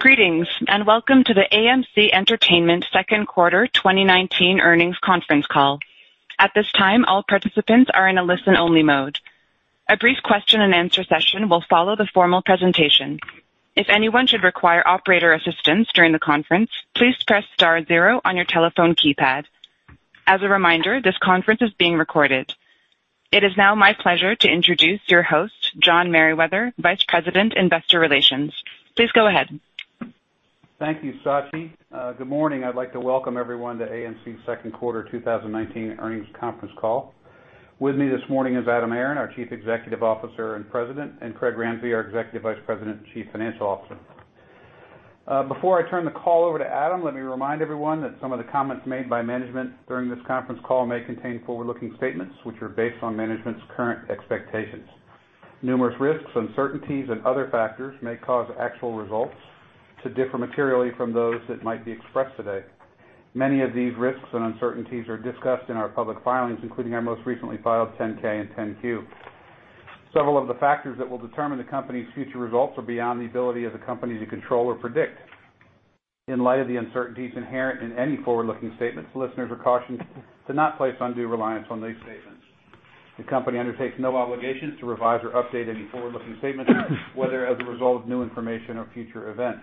Greetings, welcome to the AMC Entertainment second quarter 2019 earnings conference call. At this time, all participants are in a listen-only mode. A brief question and answer session will follow the formal presentation. If anyone should require operator assistance during the conference, please press star zero on your telephone keypad. As a reminder, this conference is being recorded. It is now my pleasure to introduce your host, John Merriwether, Vice President, Investor Relations. Please go ahead. Thank you, Sachi. Good morning. I'd like to welcome everyone to AMC's second quarter 2019 earnings conference call. With me this morning is Adam Aron, our Chief Executive Officer and President, and Craig Ramsey, our Executive Vice President and Chief Financial Officer. Before I turn the call over to Adam, let me remind everyone that some of the comments made by management during this conference call may contain forward-looking statements, which are based on management's current expectations. Numerous risks, uncertainties, and other factors may cause actual results to differ materially from those that might be expressed today. Many of these risks and uncertainties are discussed in our public filings, including our most recently filed 10-K and 10-Q. Several of the factors that will determine the company's future results are beyond the ability of the company to control or predict. In light of the uncertainties inherent in any forward-looking statements, listeners are cautioned to not place undue reliance on these statements. The company undertakes no obligation to revise or update any forward-looking statements, whether as a result of new information or future events.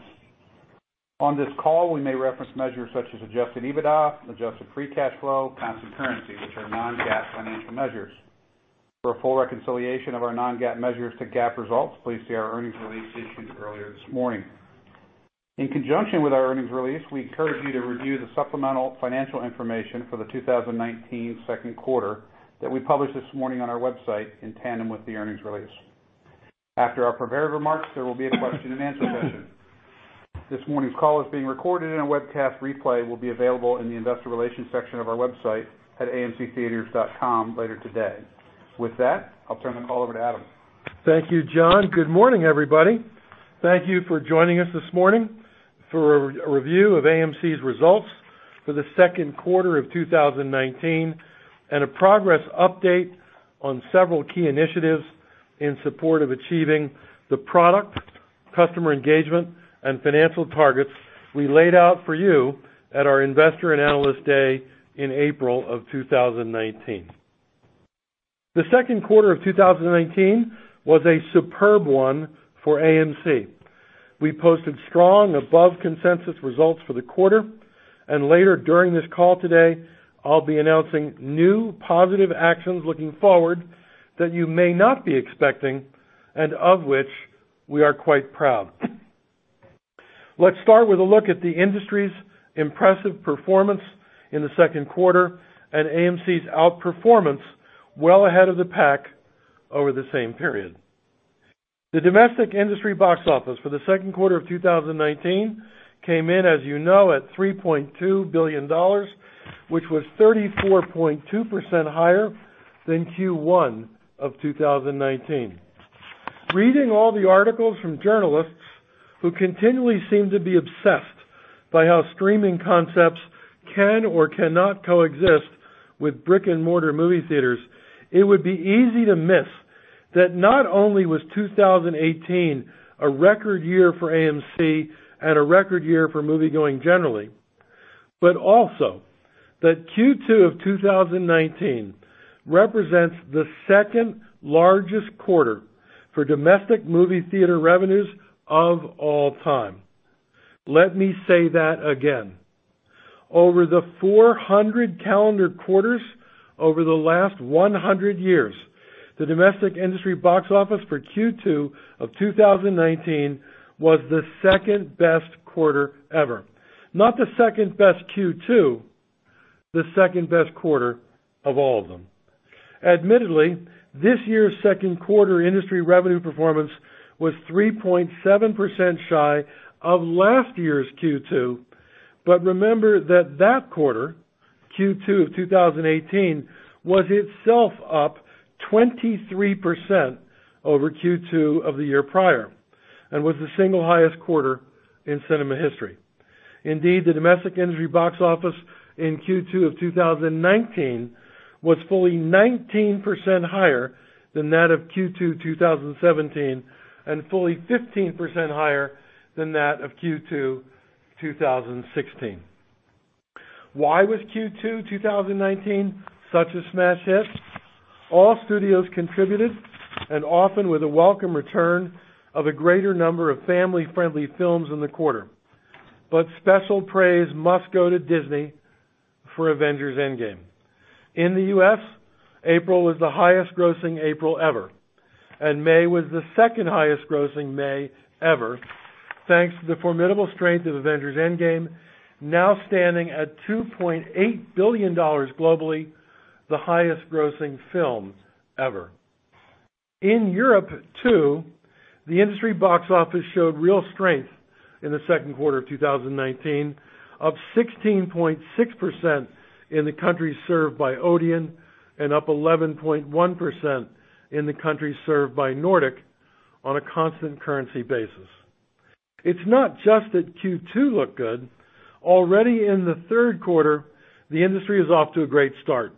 On this call, we may reference measures such as adjusted EBITDA, adjusted free cash flow, constant currency, which are non-GAAP financial measures. For a full reconciliation of our non-GAAP measures to GAAP results, please see our earnings release issued earlier this morning. In conjunction with our earnings release, we encourage you to review the supplemental financial information for the 2019 second quarter that we published this morning on our website in tandem with the earnings release. After our prepared remarks, there will be a question and answer session. This morning's call is being recorded and a webcast replay will be available in the investor relations section of our website at amctheatres.com later today. With that, I'll turn the call over to Adam. Thank you, John. Good morning, everybody. Thank you for joining us this morning for a review of AMC's results for the second quarter of 2019 and a progress update on several key initiatives in support of achieving the product, customer engagement, and financial targets we laid out for you at our Investor and Analyst Day in April of 2019. The second quarter of 2019 was a superb one for AMC. Later during this call today, I'll be announcing new positive actions looking forward that you may not be expecting and of which we are quite proud. Let's start with a look at the industry's impressive performance in the second quarter and AMC's outperformance well ahead of the pack over the same period. The domestic industry box office for the second quarter of 2019 came in, as you know, at $3.2 billion, which was 34.2% higher than Q1 of 2019. Reading all the articles from journalists who continually seem to be obsessed by how streaming concepts can or cannot coexist with brick-and-mortar movie theaters, it would be easy to miss that not only was 2018 a record year for AMC and a record year for moviegoing generally, but also that Q2 of 2019 represents the second-largest quarter for domestic movie theater revenues of all time. Let me say that again. Over the 400 calendar quarters over the last 100 years, the domestic industry box office for Q2 of 2019 was the second-best quarter ever. Not the second-best Q2, the second-best quarter of all of them. Admittedly, this year's second quarter industry revenue performance was 3.7% shy of last year's Q2. Remember that that quarter, Q2 of 2018, was itself up 23% over Q2 of the year prior and was the single highest quarter in cinema history. The domestic industry box office in Q2 of 2019 was fully 19% higher than that of Q2 2017 and fully 15% higher than that of Q2 2016. Why was Q2 2019 such a smash hit? All studios contributed, and often with a welcome return of a greater number of family-friendly films in the quarter. Special praise must go to Disney for Avengers: Endgame. In the U.S., April was the highest-grossing April ever, and May was the second highest-grossing May ever, thanks to the formidable strength of Avengers: Endgame, now standing at $2.8 billion globally, the highest-grossing film ever. In Europe too, the industry box office showed real strength in the second quarter of 2019, up 16.6% in the countries served by ODEON and up 11.1% in the countries served by Nordic on a constant currency basis. It's not just that Q2 looked good. Already in the third quarter, the industry is off to a great start.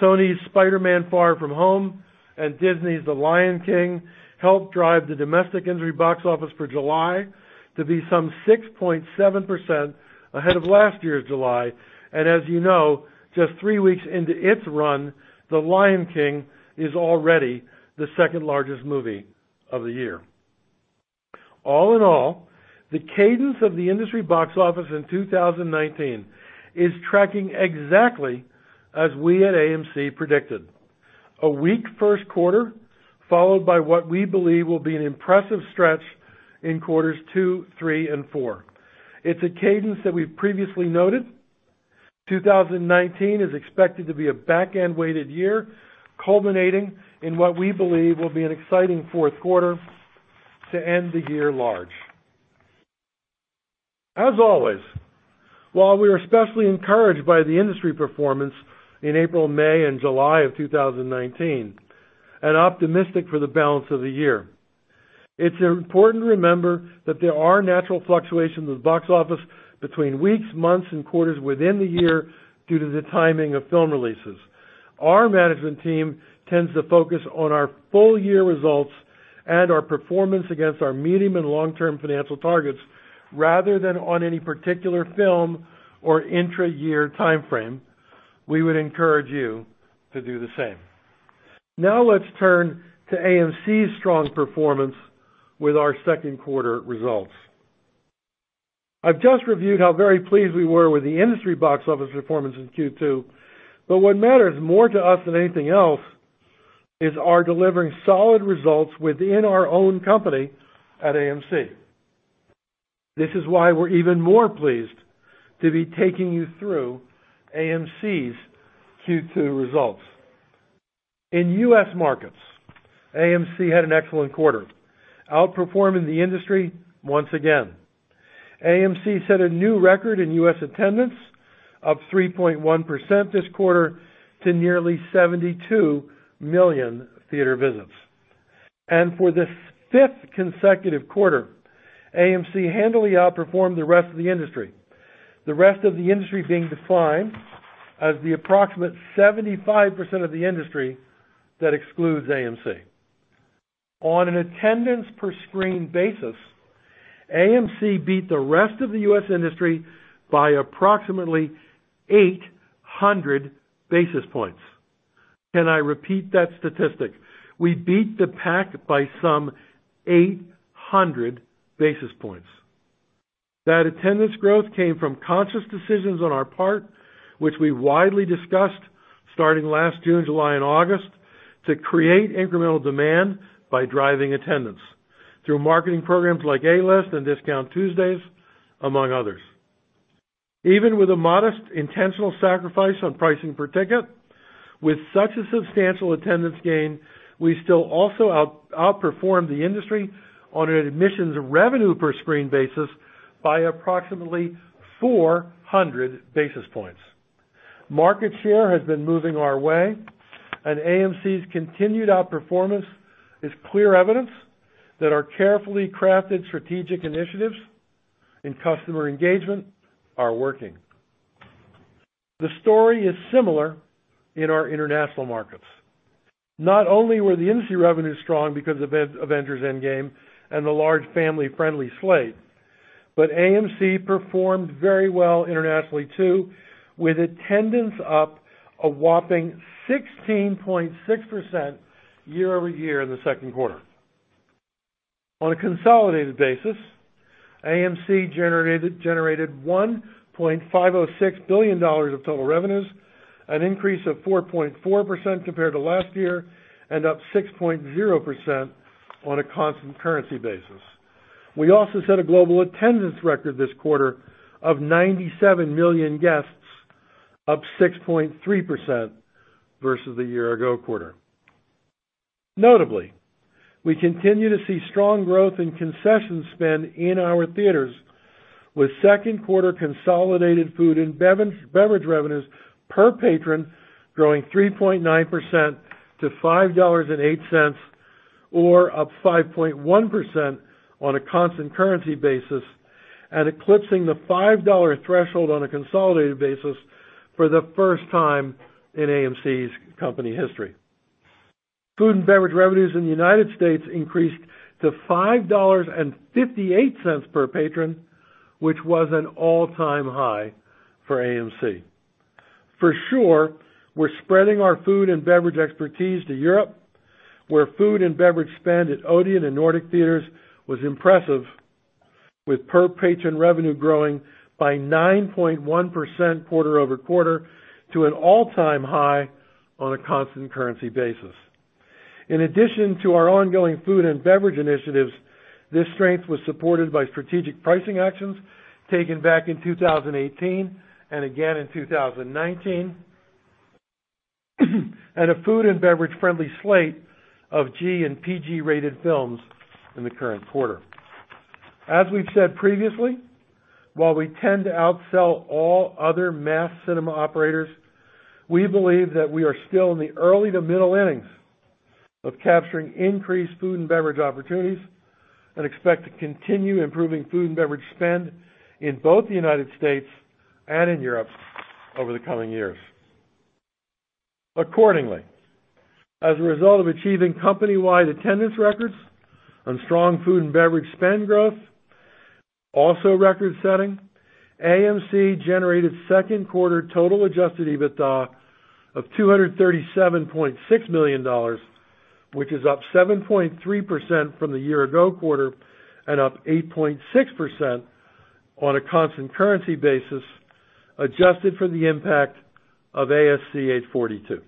Sony's "Spider-Man: Far From Home" and Disney's "The Lion King" helped drive the domestic industry box office for July to be some 6.7% ahead of last year's July. As you know, just three weeks into its run, "The Lion King" is already the second-largest movie of the year. All in all, the cadence of the industry box office in 2019 is tracking exactly as we at AMC predicted. A weak first quarter, followed by what we believe will be an impressive stretch in quarters two, three, and four. It's a cadence that we've previously noted. 2019 is expected to be a back-end-weighted year, culminating in what we believe will be an exciting fourth quarter to end the year large. As always, while we are especially encouraged by the industry performance in April, May, and July of 2019, and optimistic for the balance of the year, it's important to remember that there are natural fluctuations with box office between weeks, months, and quarters within the year due to the timing of film releases. Our management team tends to focus on our full year results and our performance against our medium and long-term financial targets, rather than on any particular film or intra-year timeframe. We would encourage you to do the same. Now let's turn to AMC's strong performance with our second quarter results. I've just reviewed how very pleased we were with the industry box office performance in Q2. What matters more to us than anything else is our delivering solid results within our own company at AMC. This is why we're even more pleased to be taking you through AMC's Q2 results. In U.S. markets, AMC had an excellent quarter, outperforming the industry once again. AMC set a new record in U.S. attendance of 3.1% this quarter to nearly 72 million theater visits. For the fifth consecutive quarter, AMC handily outperformed the rest of the industry. The rest of the industry being defined as the approximate 75% of the industry that excludes AMC. On an attendance per screen basis, AMC beat the rest of the U.S. industry by approximately 800 basis points. Can I repeat that statistic? We beat the pack by some 800 basis points. That attendance growth came from conscious decisions on our part, which we widely discussed starting last June, July, and August, to create incremental demand by driving attendance through marketing programs like A-List and Discount Tuesdays, among others. Even with a modest intentional sacrifice on pricing per ticket, with such a substantial attendance gain, we still also outperformed the industry on an admissions revenue per screen basis by approximately 400 basis points. Market share has been moving our way, and AMC's continued outperformance is clear evidence that our carefully crafted strategic initiatives and customer engagement are working. The story is similar in our international markets. Not only were the industry revenues strong because of "Avengers: Endgame" and the large family-friendly slate, but AMC performed very well internationally too, with attendance up a whopping 16.6% year-over-year in the second quarter. On a consolidated basis, AMC generated $1.506 billion of total revenues, an increase of 4.4% compared to last year. Up 6.0% on a constant currency basis. We also set a global attendance record this quarter of 97 million guests, up 6.3% versus the year ago quarter. Notably, we continue to see strong growth in concession spend in our theaters, with second quarter consolidated food and beverage revenues per patron growing 3.9% to $5.08, or up 5.1% on a constant currency basis. Eclipsing the $5 threshold on a consolidated basis for the first time in AMC's company history. Food and beverage revenues in the United States increased to $5.58 per patron, which was an all-time high for AMC. For sure, we're spreading our food and beverage expertise to Europe, where food and beverage spend at Odeon and Nordic theaters was impressive, with per-patron revenue growing by 9.1% quarter-over-quarter to an all-time high on a constant currency basis. In addition to our ongoing food and beverage initiatives, this strength was supported by strategic pricing actions taken back in 2018 and again in 2019, and a food and beverage-friendly slate of G and PG-rated films in the current quarter. As we've said previously, while we tend to outsell all other mass cinema operators, we believe that we are still in the early to middle innings of capturing increased food and beverage opportunities and expect to continue improving food and beverage spend in both the United States and in Europe over the coming years. As a result of achieving company-wide attendance records and strong food and beverage spend growth, also record-setting, AMC generated second quarter total adjusted EBITDA of $237.6 million, which is up 7.3% from the year-ago quarter and up 8.6% on a constant currency basis, adjusted for the impact of ASC 842.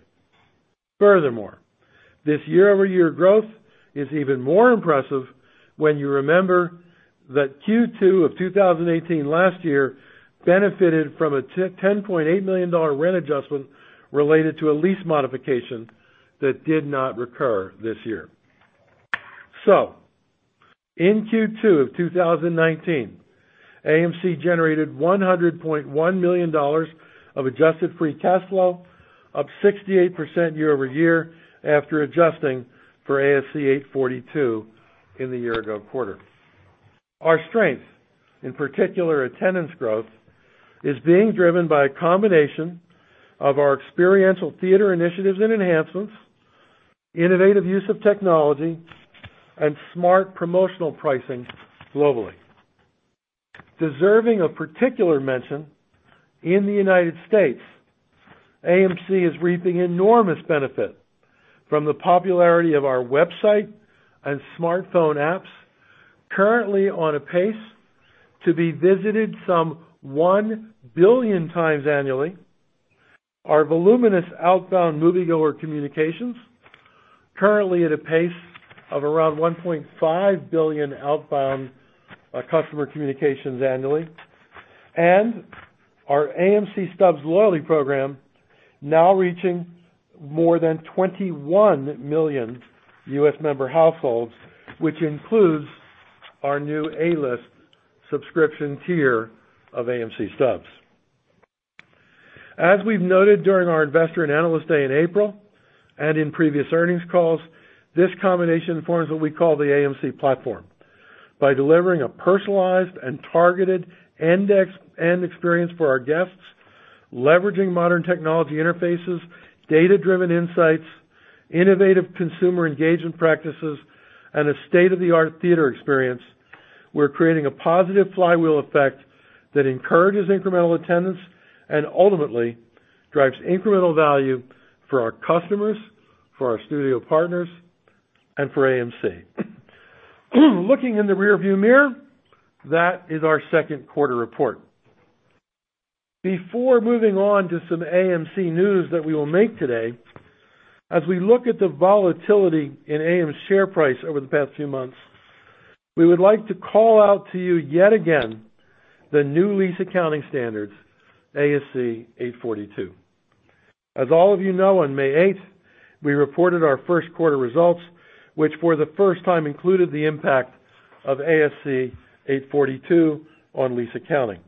This year-over-year growth is even more impressive when you remember that Q2 of 2018 last year benefited from a $10.8 million rent adjustment related to a lease modification that did not recur this year. In Q2 of 2019, AMC generated $100.1 million of adjusted free cash flow, up 68% year-over-year after adjusting for ASC 842 in the year-ago quarter. Our strength, in particular, attendance growth, is being driven by a combination of our experiential theater initiatives and enhancements, innovative use of technology, and smart promotional pricing globally. Deserving a particular mention, in the U.S., AMC is reaping enormous benefit from the popularity of our website and smartphone apps, currently on a pace to be visited some 1 billion times annually. Our voluminous outbound moviegoer communications, currently at a pace of around 1.5 billion outbound customer communications annually. Our AMC Stubs loyalty program now reaching more than 21 million U.S. member households, which includes our new A-List subscription tier of AMC Stubs. As we've noted during our Investor and Analyst Dday in April, and in previous earnings calls, this combination forms what we call the AMC platform. By delivering a personalized and targeted end-to-end experience for our guests, leveraging modern technology interfaces, data-driven insights, innovative consumer engagement practices, and a state-of-the-art theater experience, we're creating a positive flywheel effect that encourages incremental attendance and ultimately drives incremental value for our customers, for our studio partners, and for AMC. Looking in the rear-view mirror, that is our second quarter report. Before moving on to some AMC news that we will make today, as we look at the volatility in AMC share price over the past few months, we would like to call out to you yet again the new lease accounting standards, ASC 842. As all of you know, on May 8th, we reported our first quarter results, which for the first time included the impact of ASC 842 on lease accounting.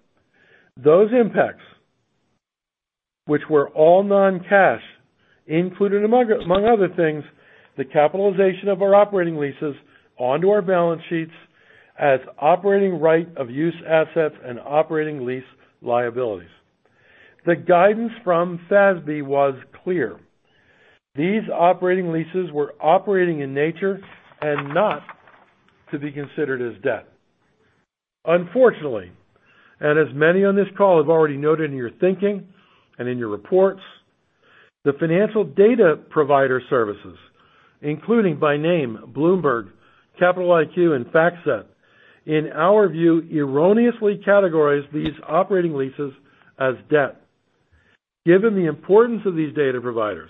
Those impacts, which were all non-cash, included among other things, the capitalization of our operating leases onto our balance sheets as operating right of use assets and operating lease liabilities. The guidance from FASB was clear. These operating leases were operating in nature and not to be considered as debt. Unfortunately, and as many on this call have already noted in your thinking and in your reports, the financial data provider services, including by name Bloomberg, Capital IQ, and FactSet, in our view, erroneously categorized these operating leases as debt. Given the importance of these data providers,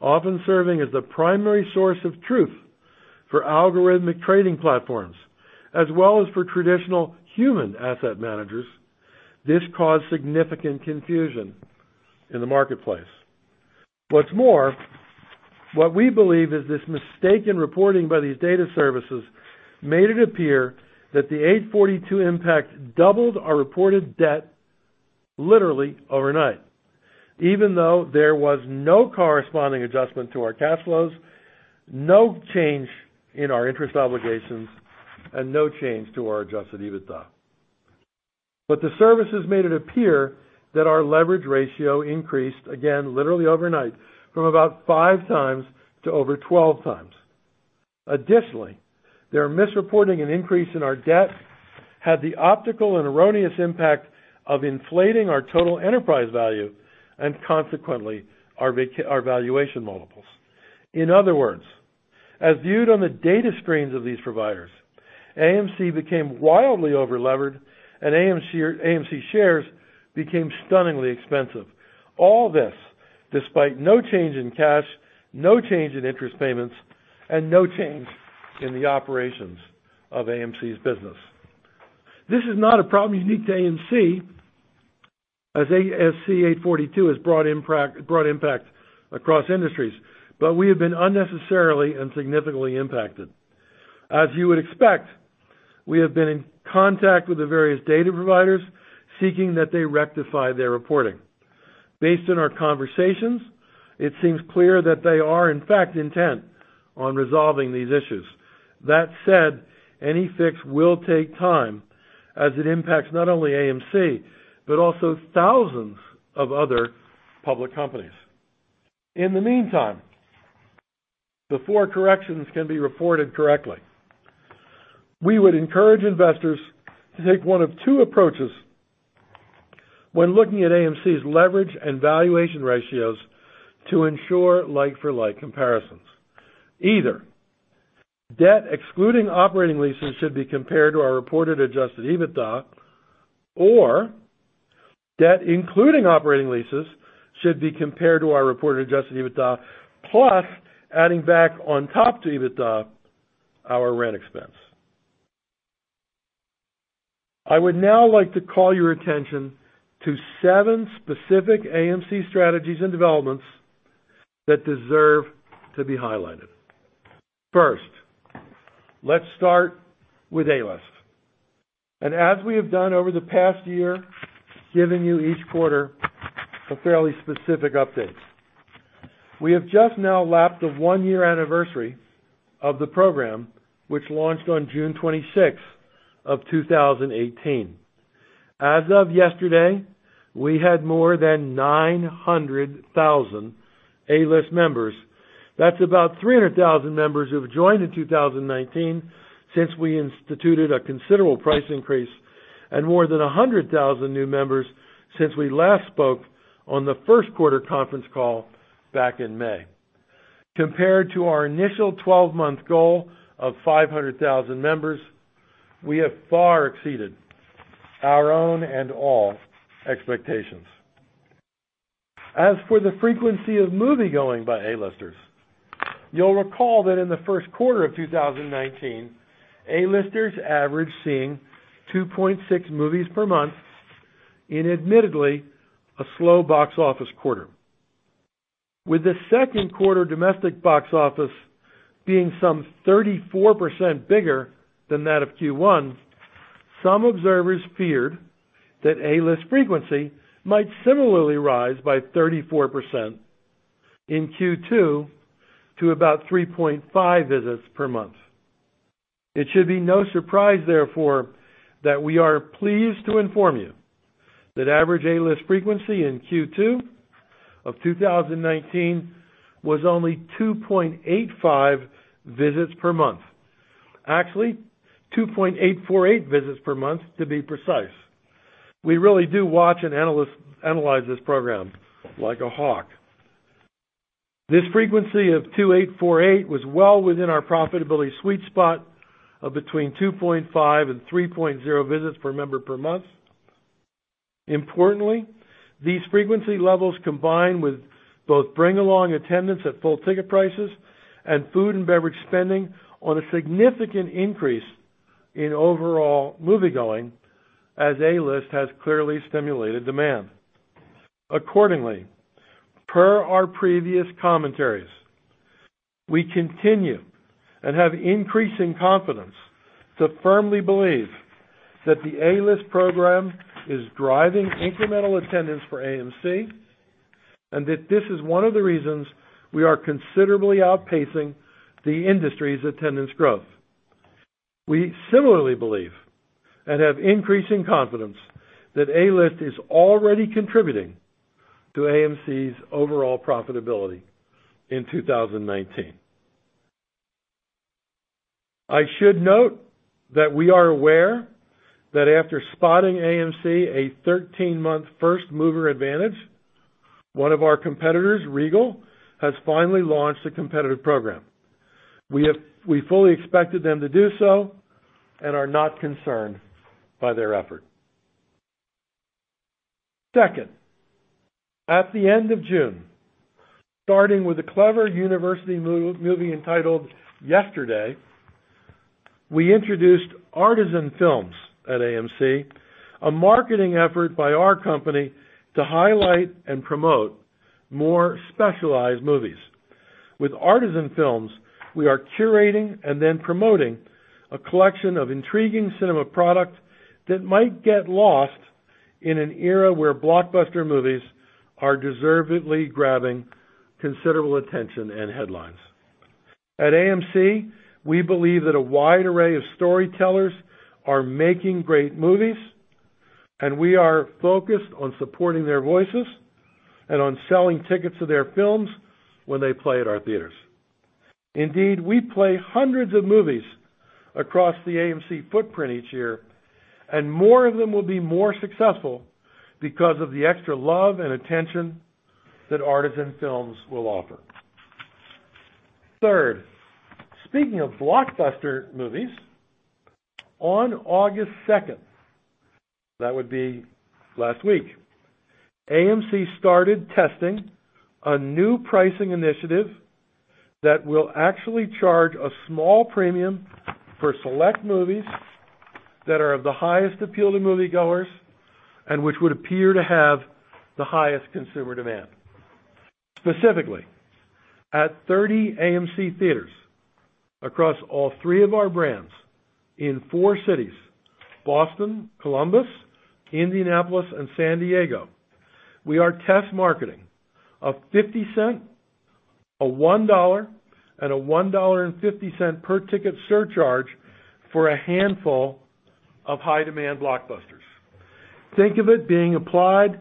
often serving as the primary source of truth for algorithmic trading platforms, as well as for traditional human asset managers, this caused significant confusion in the marketplace. What's more, what we believe is this mistake in reporting by these data services made it appear that the ASC 842 impact doubled our reported debt literally overnight, even though there was no corresponding adjustment to our cash flows, no change in our interest obligations, and no change to our adjusted EBITDA. The services made it appear that our leverage ratio increased, again, literally overnight, from about 5x to over 12x. Additionally, their misreporting and increase in our debt had the optical and erroneous impact of inflating our total enterprise value and consequently, our valuation multiples. In other words, as viewed on the data screens of these providers, AMC became wildly over-levered, and AMC shares became stunningly expensive. All this despite no change in cash, no change in interest payments, and no change in the operations of AMC's business. This is not a problem unique to AMC, as ASC 842 has brought impact across industries, but we have been unnecessarily and significantly impacted. As you would expect, we have been in contact with the various data providers seeking that they rectify their reporting. Based on our conversations, it seems clear that they are in fact intent on resolving these issues. That said, any fix will take time as it impacts not only AMC, but also thousands of other public companies. In the meantime, before corrections can be reported correctly, we would encourage investors to take one of two approaches when looking at AMC's leverage and valuation ratios to ensure like-for-like comparisons. Either debt excluding operating leases should be compared to our reported adjusted EBITDA, or debt including operating leases should be compared to our reported adjusted EBITDA, plus adding back on top to EBITDA our rent expense. I would now like to call your attention to seven specific AMC strategies and developments that deserve to be highlighted. First, let's start with A-List. As we have done over the past year, giving you each quarter a fairly specific update. We have just now lapped the one-year anniversary of the program, which launched on June 26, 2018. As of yesterday, we had more than 900,000 A-List members. That's about 300,000 members who've joined in 2019 since we instituted a considerable price increase, and more than 100,000 new members since we last spoke on the first quarter conference call back in May. Compared to our initial 12-month goal of 500,000 members, we have far exceeded our own and all expectations. As for the frequency of moviegoing by A-Listers, you'll recall that in the first quarter of 2019, A-Listers averaged seeing 2.6 movies per month in admittedly a slow box office quarter. With the second quarter domestic box office being some 34% bigger than that of Q1, some observers feared that A-List frequency might similarly rise by 34% in Q2 to about 3.5 visits per month. It should be no surprise, therefore, that we are pleased to inform you that average A-List frequency in Q2 of 2019 was only 2.85 visits per month. Actually, 2.848 visits per month to be precise. We really do watch and analyze this program like a hawk. This frequency of 2.848 was well within our profitability sweet spot of between 2.5 and 3.0 visits per member per month. Importantly, these frequency levels combined with both bring-along attendance at full ticket prices and food and beverage spending on a significant increase in overall moviegoing as A-List has clearly stimulated demand. Per our previous commentaries, we continue and have increasing confidence to firmly believe that the A-List program is driving incremental attendance for AMC, and that this is one of the reasons we are considerably outpacing the industry's attendance growth. We similarly believe and have increasing confidence that A-List is already contributing to AMC's overall profitability in 2019. I should note that we are aware that after spotting AMC a 13-month first-mover advantage, one of our competitors, Regal, has finally launched a competitive program. We fully expected them to do so and are not concerned by their effort. Second, at the end of June, starting with a clever Universal movie entitled Yesterday, we introduced Artisan Films at AMC, a marketing effort by our company to highlight and promote more specialized movies. With Artisan Films, we are curating and then promoting a collection of intriguing cinema product that might get lost in an era where blockbuster movies are deservedly grabbing considerable attention and headlines. At AMC, we believe that a wide array of storytellers are making great movies, and we are focused on supporting their voices and on selling tickets to their films when they play at our theaters. Indeed, we play hundreds of movies across the AMC footprint each year, and more of them will be more successful because of the extra love and attention that Artisan Films will offer. Third, speaking of blockbuster movies, on August 2nd, that would be last week, AMC started testing a new pricing initiative that will actually charge a small premium for select movies that are of the highest appeal to moviegoers and which would appear to have the highest consumer demand. Specifically, at 30 AMC Theatres across all three of our brands in four cities, Boston, Columbus, Indianapolis, and San Diego, we are test marketing of $0.50, $1, and $1.50 per ticket surcharge for a handful of high-demand blockbusters. Think of it being applied,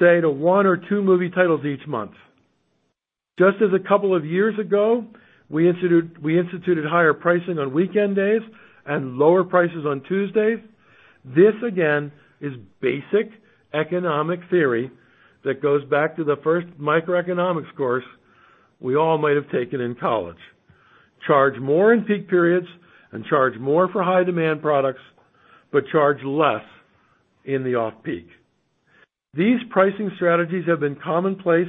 say, to one or two movie titles each month. Just as a couple of years ago, we instituted higher pricing on weekend days and lower prices on Tuesdays. This, again, is basic economic theory that goes back to the first microeconomics course we all might have taken in college. Charge more in peak periods and charge more for high-demand products, charge less in the off-peak. These pricing strategies have been commonplace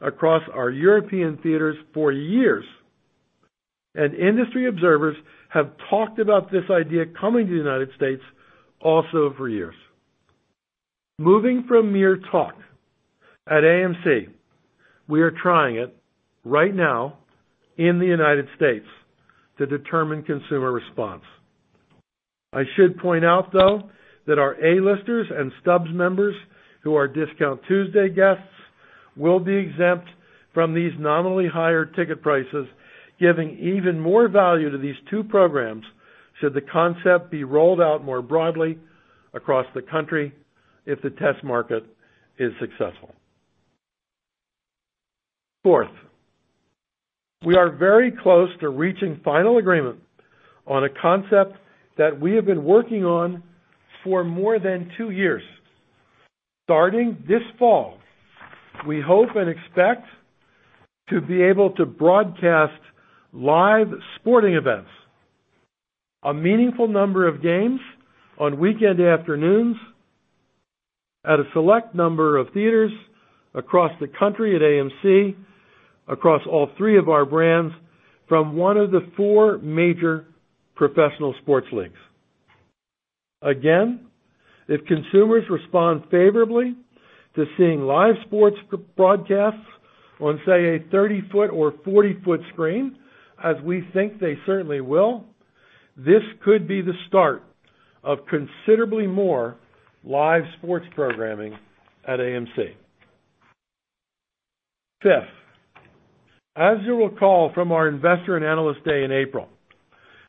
across our European theaters for years, industry observers have talked about this idea coming to the United States also for years. Moving from mere talk, at AMC, we are trying it right now in the United States to determine consumer response. I should point out, though, that our A-Listers and Stubs members who are Discount Tuesday guests will be exempt from these nominally higher ticket prices, giving even more value to these two programs should the concept be rolled out more broadly across the country if the test market is successful. Fourth, we are very close to reaching final agreement on a concept that we have been working on for more than two years. Starting this fall, we hope and expect to be able to broadcast live sporting events, a meaningful number of games on weekend afternoons at a select number of theaters across the country at AMC, across all three of our brands, from one of the four major professional sports leagues. Again, if consumers respond favorably to seeing live sports broadcasts on, say, a 30-foot or 40-foot screen, as we think they certainly will, this could be the start of considerably more live sports programming at AMC. Fifth, as you'll recall from our Investor and Analyst Day in April,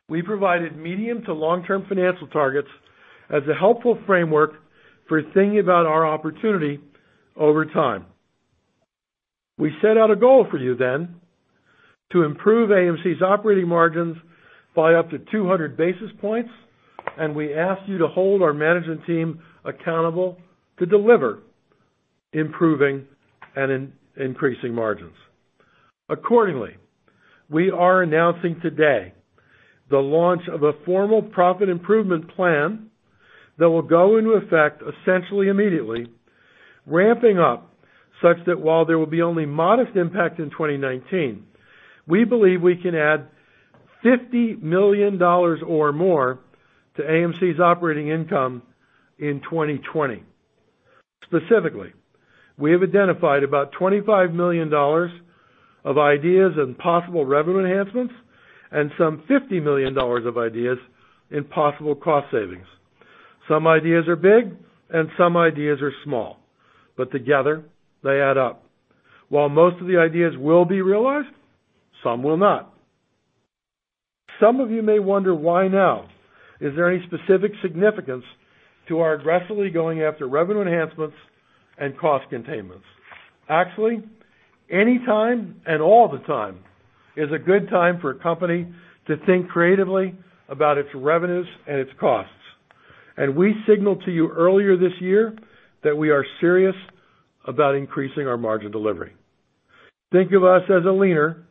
we provided medium to long-term financial targets as a helpful framework for thinking about our opportunity over time. We set out a goal for you then to improve AMC's operating margins by up to 200 basis points, and we asked you to hold our management team accountable to deliver improving and increasing margins. Accordingly, we are announcing today the launch of a formal profit improvement plan that will go into effect essentially immediately, ramping up such that while there will be only modest impact in 2019, we believe we can add $50 million or more to AMC's operating income in 2020. Specifically, we have identified about $25 million of ideas and possible revenue enhancements and some $50 million of ideas in possible cost savings. Some ideas are big and some ideas are small. Together they add up. While most of the ideas will be realized, some will not. Some of you may wonder why now. Is there any specific significance to our aggressively going after revenue enhancements and cost containments? Actually, any time and all the time is a good time for a company to think creatively about its revenues and its costs. We signaled to you earlier this year that we are serious about increasing our margin delivery. Think of us as a leaner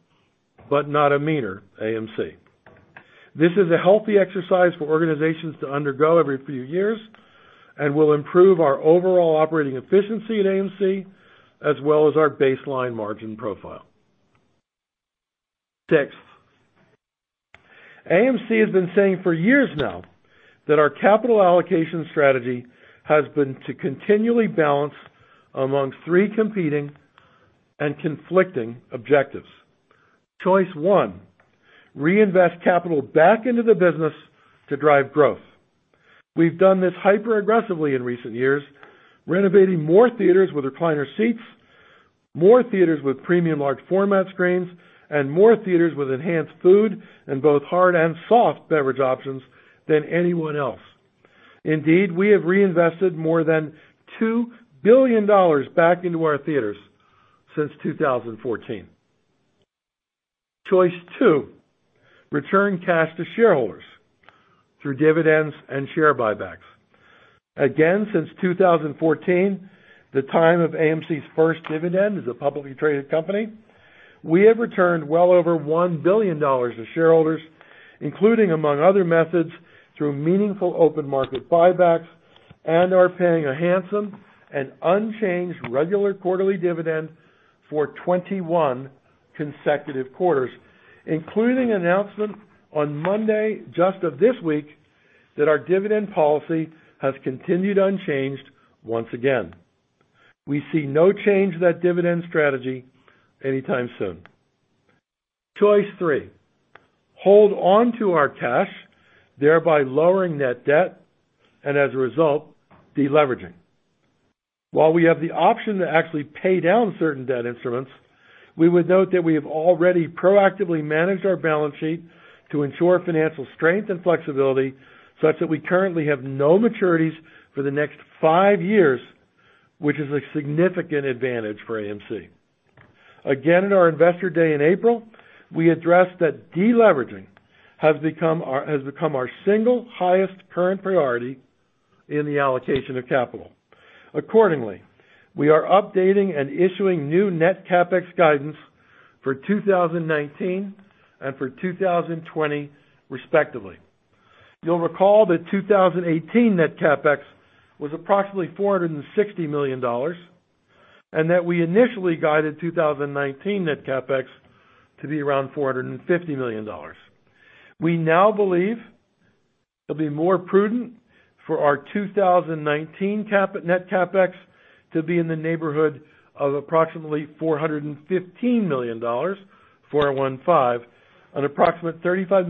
but not a meaner AMC. This is a healthy exercise for organizations to undergo every few years and will improve our overall operating efficiency at AMC, as well as our baseline margin profile. Sixth, AMC has been saying for years now that our capital allocation strategy has been to continually balance among three competing and conflicting objectives. Choice one, reinvest capital back into the business to drive growth. We've done this hyper-aggressively in recent years, renovating more theaters with recliner seats, more theaters with Premium Large Format screens, and more theaters with enhanced food and both hard and soft beverage options than anyone else. Indeed, we have reinvested more than $2 billion back into our theaters since 2014. Choice 2, return cash to shareholders through dividends and share buybacks. Since 2014, the time of AMC's first dividend as a publicly traded company, we have returned well over $1 billion to shareholders, including among other methods, through meaningful open market buybacks and are paying a handsome and unchanged regular quarterly dividend for 21 consecutive quarters, including announcement on Monday just of this week. That our dividend policy has continued unchanged once again. We see no change to that dividend strategy anytime soon. Choice 3, hold on to our cash, thereby lowering net debt and as a result, deleveraging. While we have the option to actually pay down certain debt instruments, we would note that we have already proactively managed our balance sheet to ensure financial strength and flexibility such that we currently have no maturities for the next five years, which is a significant advantage for AMC. Again, at our Investor Day in April, we addressed that de-leveraging has become our single highest current priority in the allocation of capital. Accordingly, we are updating and issuing new net CapEx guidance for 2019 and for 2020 respectively. You'll recall that 2018 net CapEx was approximately $460 million, and that we initially guided 2019 net CapEx to be around $450 million. We now believe it'll be more prudent for our 2019 net CapEx to be in the neighborhood of approximately $415 million, an approximate $35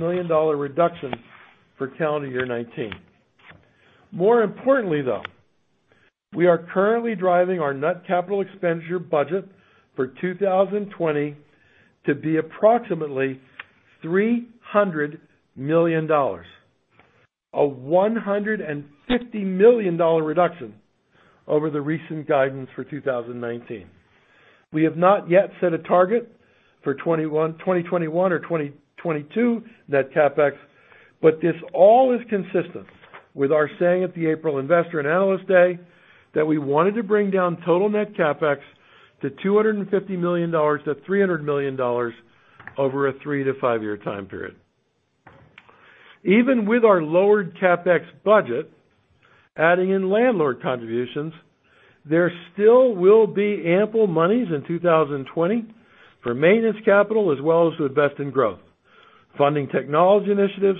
million reduction for calendar year 2019. More importantly, though, we are currently driving our net capital expenditure budget for 2020 to be approximately $300 million, a $150 million reduction over the recent guidance for 2019. We have not yet set a target for 2021 or 2022 net CapEx, but this all is consistent with our saying at the April Investor and Analyst Day that we wanted to bring down total net CapEx to $250 million-$300 million over a three to five-year time period. Even with our lowered CapEx budget, adding in landlord contributions, there still will be ample monies in 2020 for maintenance capital as well as to invest in growth, funding technology initiatives,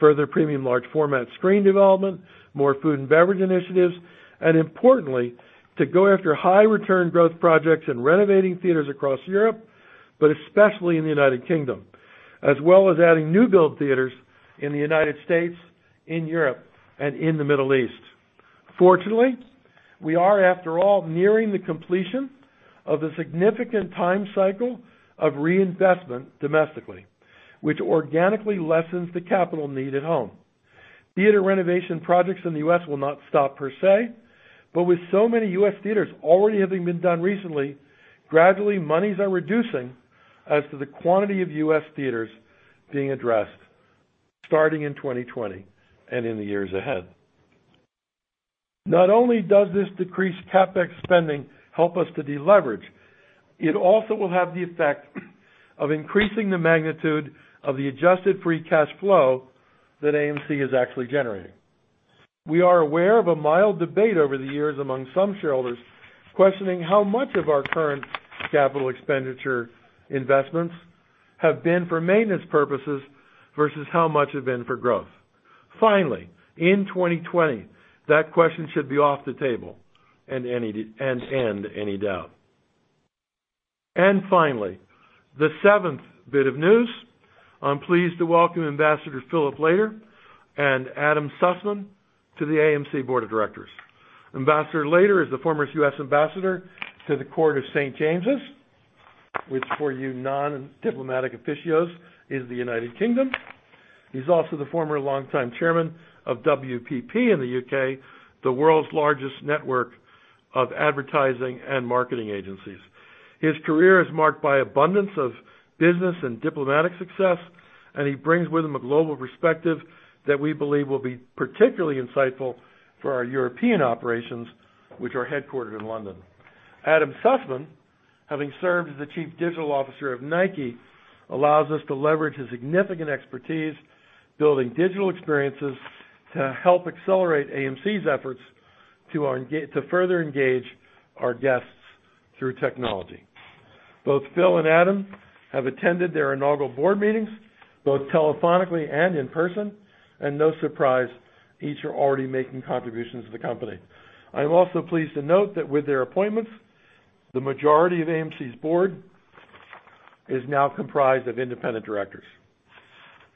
further Premium Large Format screen development, more food and beverage initiatives, and importantly, to go after high-return growth projects and renovating theaters across Europe, but especially in the United Kingdom, as well as adding new build theaters in the United States, in Europe, and in the Middle East. Fortunately, we are, after all, nearing the completion of a significant time cycle of reinvestment domestically, which organically lessens the capital need at home. Theater renovation projects in the U.S. will not stop per se, but with so many U.S. theaters already having been done recently, gradually monies are reducing as to the quantity of U.S. theaters being addressed starting in 2020 and in the years ahead. Not only does this decreased CapEx spending help us to de-leverage, it also will have the effect of increasing the magnitude of the adjusted free cash flow that AMC is actually generating. We are aware of a mild debate over the years among some shareholders questioning how much of our current capital expenditure investments have been for maintenance purposes versus how much have been for growth. Finally, in 2020, that question should be off the table and end any doubt. Finally, the seventh bit of news, I am pleased to welcome Ambassador Philip Lader and Adam Sussman to the AMC Board of Directors. Ambassador Lader is the former U.S. ambassador to the Court of St. James's, which for you non-diplomatic aficionados is the United Kingdom. He is also the former longtime chairman of WPP in the U.K., the world's largest network of advertising and marketing agencies. His career is marked by abundance of business and diplomatic success, and he brings with him a global perspective that we believe will be particularly insightful for our European operations, which are headquartered in London. Adam Sussman, having served as the Chief Digital Officer of Nike, allows us to leverage his significant expertise building digital experiences to help accelerate AMC's efforts to further engage our guests through technology. Both Phil and Adam have attended their inaugural board meetings, both telephonically and in person, and no surprise, each are already making contributions to the company. I'm also pleased to note that with their appointments, the majority of AMC's board is now comprised of independent directors.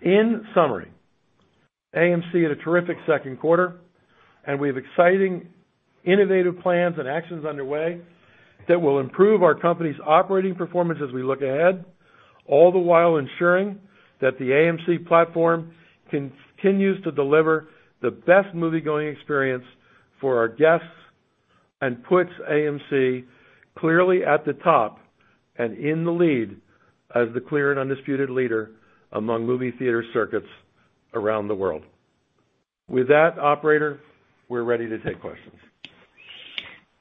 In summary, AMC had a terrific second quarter and we have exciting, innovative plans and actions underway that will improve our company's operating performance as we look ahead, all the while ensuring that the AMC platform continues to deliver the best moviegoing experience for our guests and puts AMC clearly at the top and in the lead as the clear and undisputed leader among movie theater circuits around the world. With that, operator, we're ready to take questions.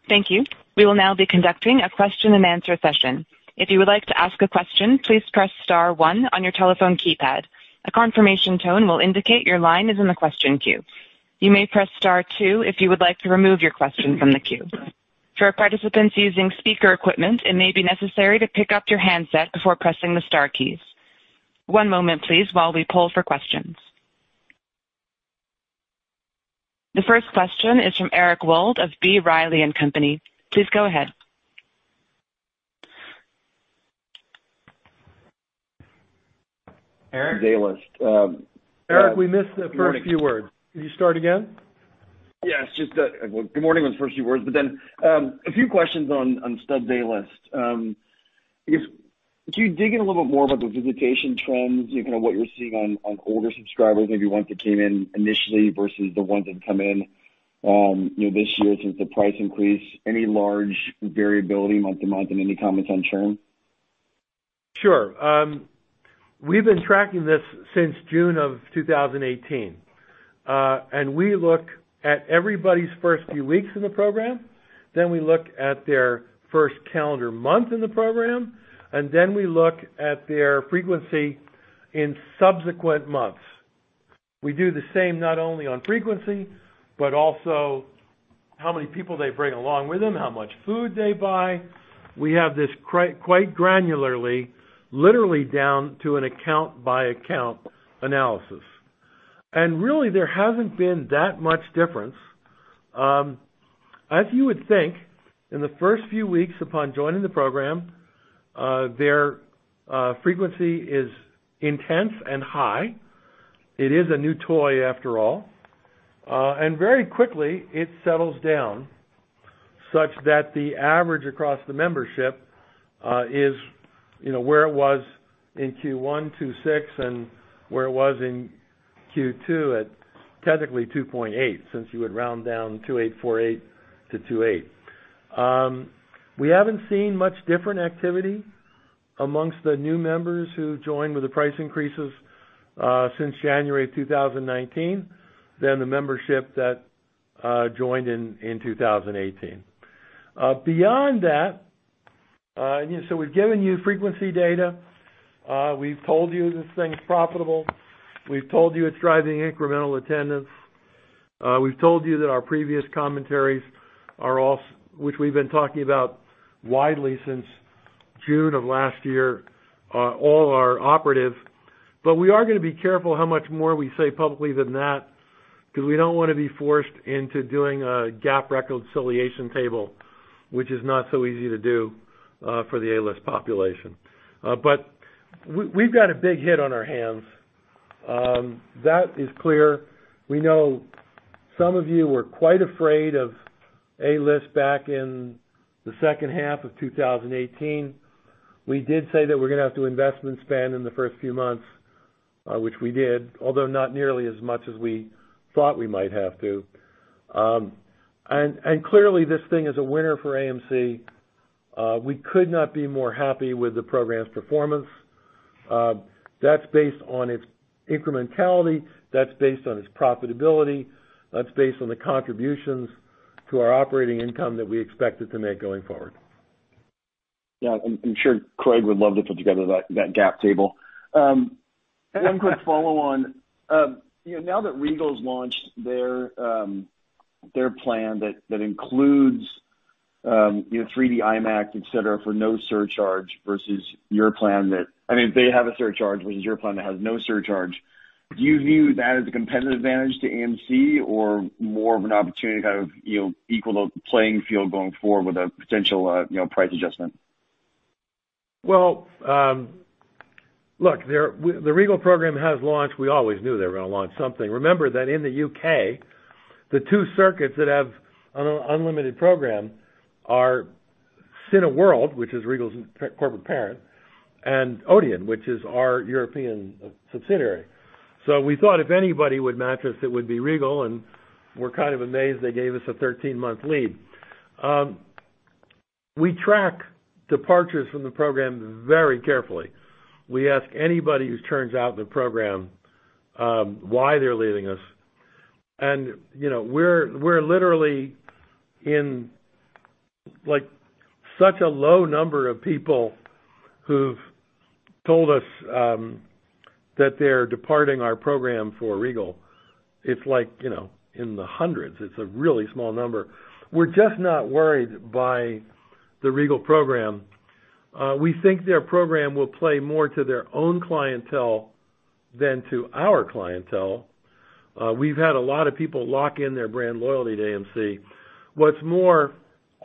Thank you. We will now be conducting a question-and-answer session. If you would like to ask a question, please press star one on your telephone keypad. A confirmation tone will indicate your line is in the question queue. You may press star two if you would like to remove your question from the queue. For participants using speaker equipment, it may be necessary to pick up your handset before pressing the star keys. One moment please, while we poll for questions. The first question is from Eric Wold of B. Riley & Co. Please go ahead. Eric? A-List. Eric, we missed the first few words. Can you start again? Yes, good morning was the first few words. A few questions on Stubs A-List. Could you dig in a little bit more about the visitation trends, what you're seeing on older subscribers, maybe ones that came in initially versus the ones that come in this year since the price increase. Any large variability month-to-month? Any comments on churn? Sure. We've been tracking this since June of 2018. We look at everybody's first few weeks in the program, then we look at their first calendar month in the program, then we look at their frequency in subsequent months. We do the same not only on frequency, but also how many people they bring along with them, how much food they buy. We have this quite granularly, literally down to an account-by-account analysis. Really, there hasn't been that much difference. As you would think, in the first few weeks upon joining the program, their frequency is intense and high. It is a new toy after all. Very quickly, it settles down such that the average across the membership is where it was in Q1, 2.6, and where it was in Q2 at technically 2.8, since you would round down 2.848 to 2.8. We haven't seen much different activity amongst the new members who joined with the price increases since January of 2019 than the membership that joined in 2018. Beyond that, we've given you frequency data. We've told you this thing is profitable. We've told you it's driving incremental attendance. We've told you that our previous commentaries, which we've been talking about widely since June of last year, all are operative. We are going to be careful how much more we say publicly than that, because we don't want to be forced into doing a GAAP reconciliation table, which is not so easy to do for the A-List population. We've got a big hit on our hands. That is clear. We know some of you were quite afraid of A-List back in the second half of 2018. We did say that we're going to have to investment spend in the first few months, which we did, although not nearly as much as we thought we might have to. Clearly, this thing is a winner for AMC. We could not be more happy with the program's performance. That's based on its incrementality. That's based on its profitability. That's based on the contributions to our operating income that we expect it to make going forward. Yeah. I'm sure Craig would love to put together that GAAP table. One quick follow-on. Now that Regal's launched their plan that includes 3D IMAX, et cetera, for no surcharge versus your plan, I mean, they have a surcharge versus your plan that has no surcharge. Do you view that as a competitive advantage to AMC or more of an opportunity to equal the playing field going forward with a potential price adjustment? Well, look, the Regal program has launched. We always knew they were going to launch something. Remember that in the U.K., the two circuits that have an unlimited program are Cineworld, which is Regal's corporate parent, and Odeon, which is our European subsidiary. We thought if anybody would match us, it would be Regal, and we're kind of amazed they gave us a 13-month lead. We track departures from the program very carefully. We ask anybody who churns out the program why they're leaving us. We're literally in such a low number of people who've told us that they're departing our program for Regal. It's like in the hundreds. It's a really small number. We're just not worried by the Regal program. We think their program will play more to their own clientele than to our clientele. We've had a lot of people lock in their brand loyalty to AMC. What's more,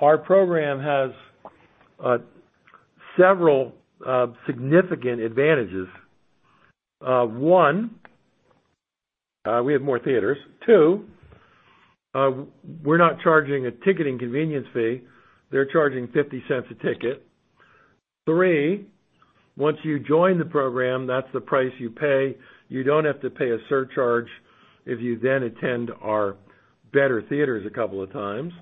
our program has several significant advantages. One, we have more theaters. Two, we're not charging a ticketing convenience fee. They're charging $0.50 a ticket. Three, once you join the program, that's the price you pay. You don't have to pay a surcharge if you then attend our better theaters a couple of times.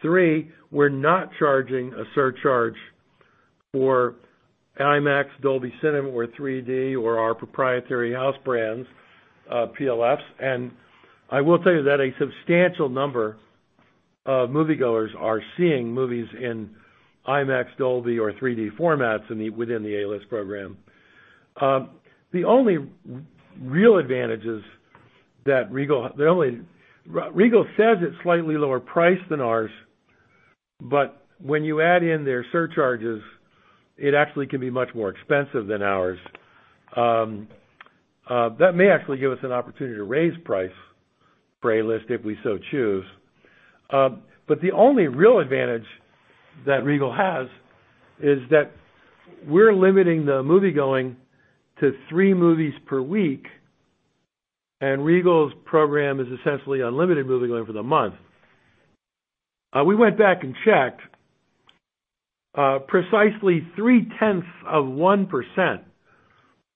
Three, we're not charging a surcharge for IMAX, Dolby Cinema, or 3D, or our proprietary house brands, PLFs. I will tell you that a substantial number of moviegoers are seeing movies in IMAX, Dolby, or 3D formats within the A-List program. The only real advantages Regal says it's slightly lower priced than ours, when you add in their surcharges, it actually can be much more expensive than ours. That may actually give us an opportunity to raise price for A-List if we so choose. The only real advantage that Regal has is that we're limiting the moviegoing to three movies per week, and Regal's program is essentially unlimited moviegoing for the month. We went back and checked. Precisely three-tenths of 1%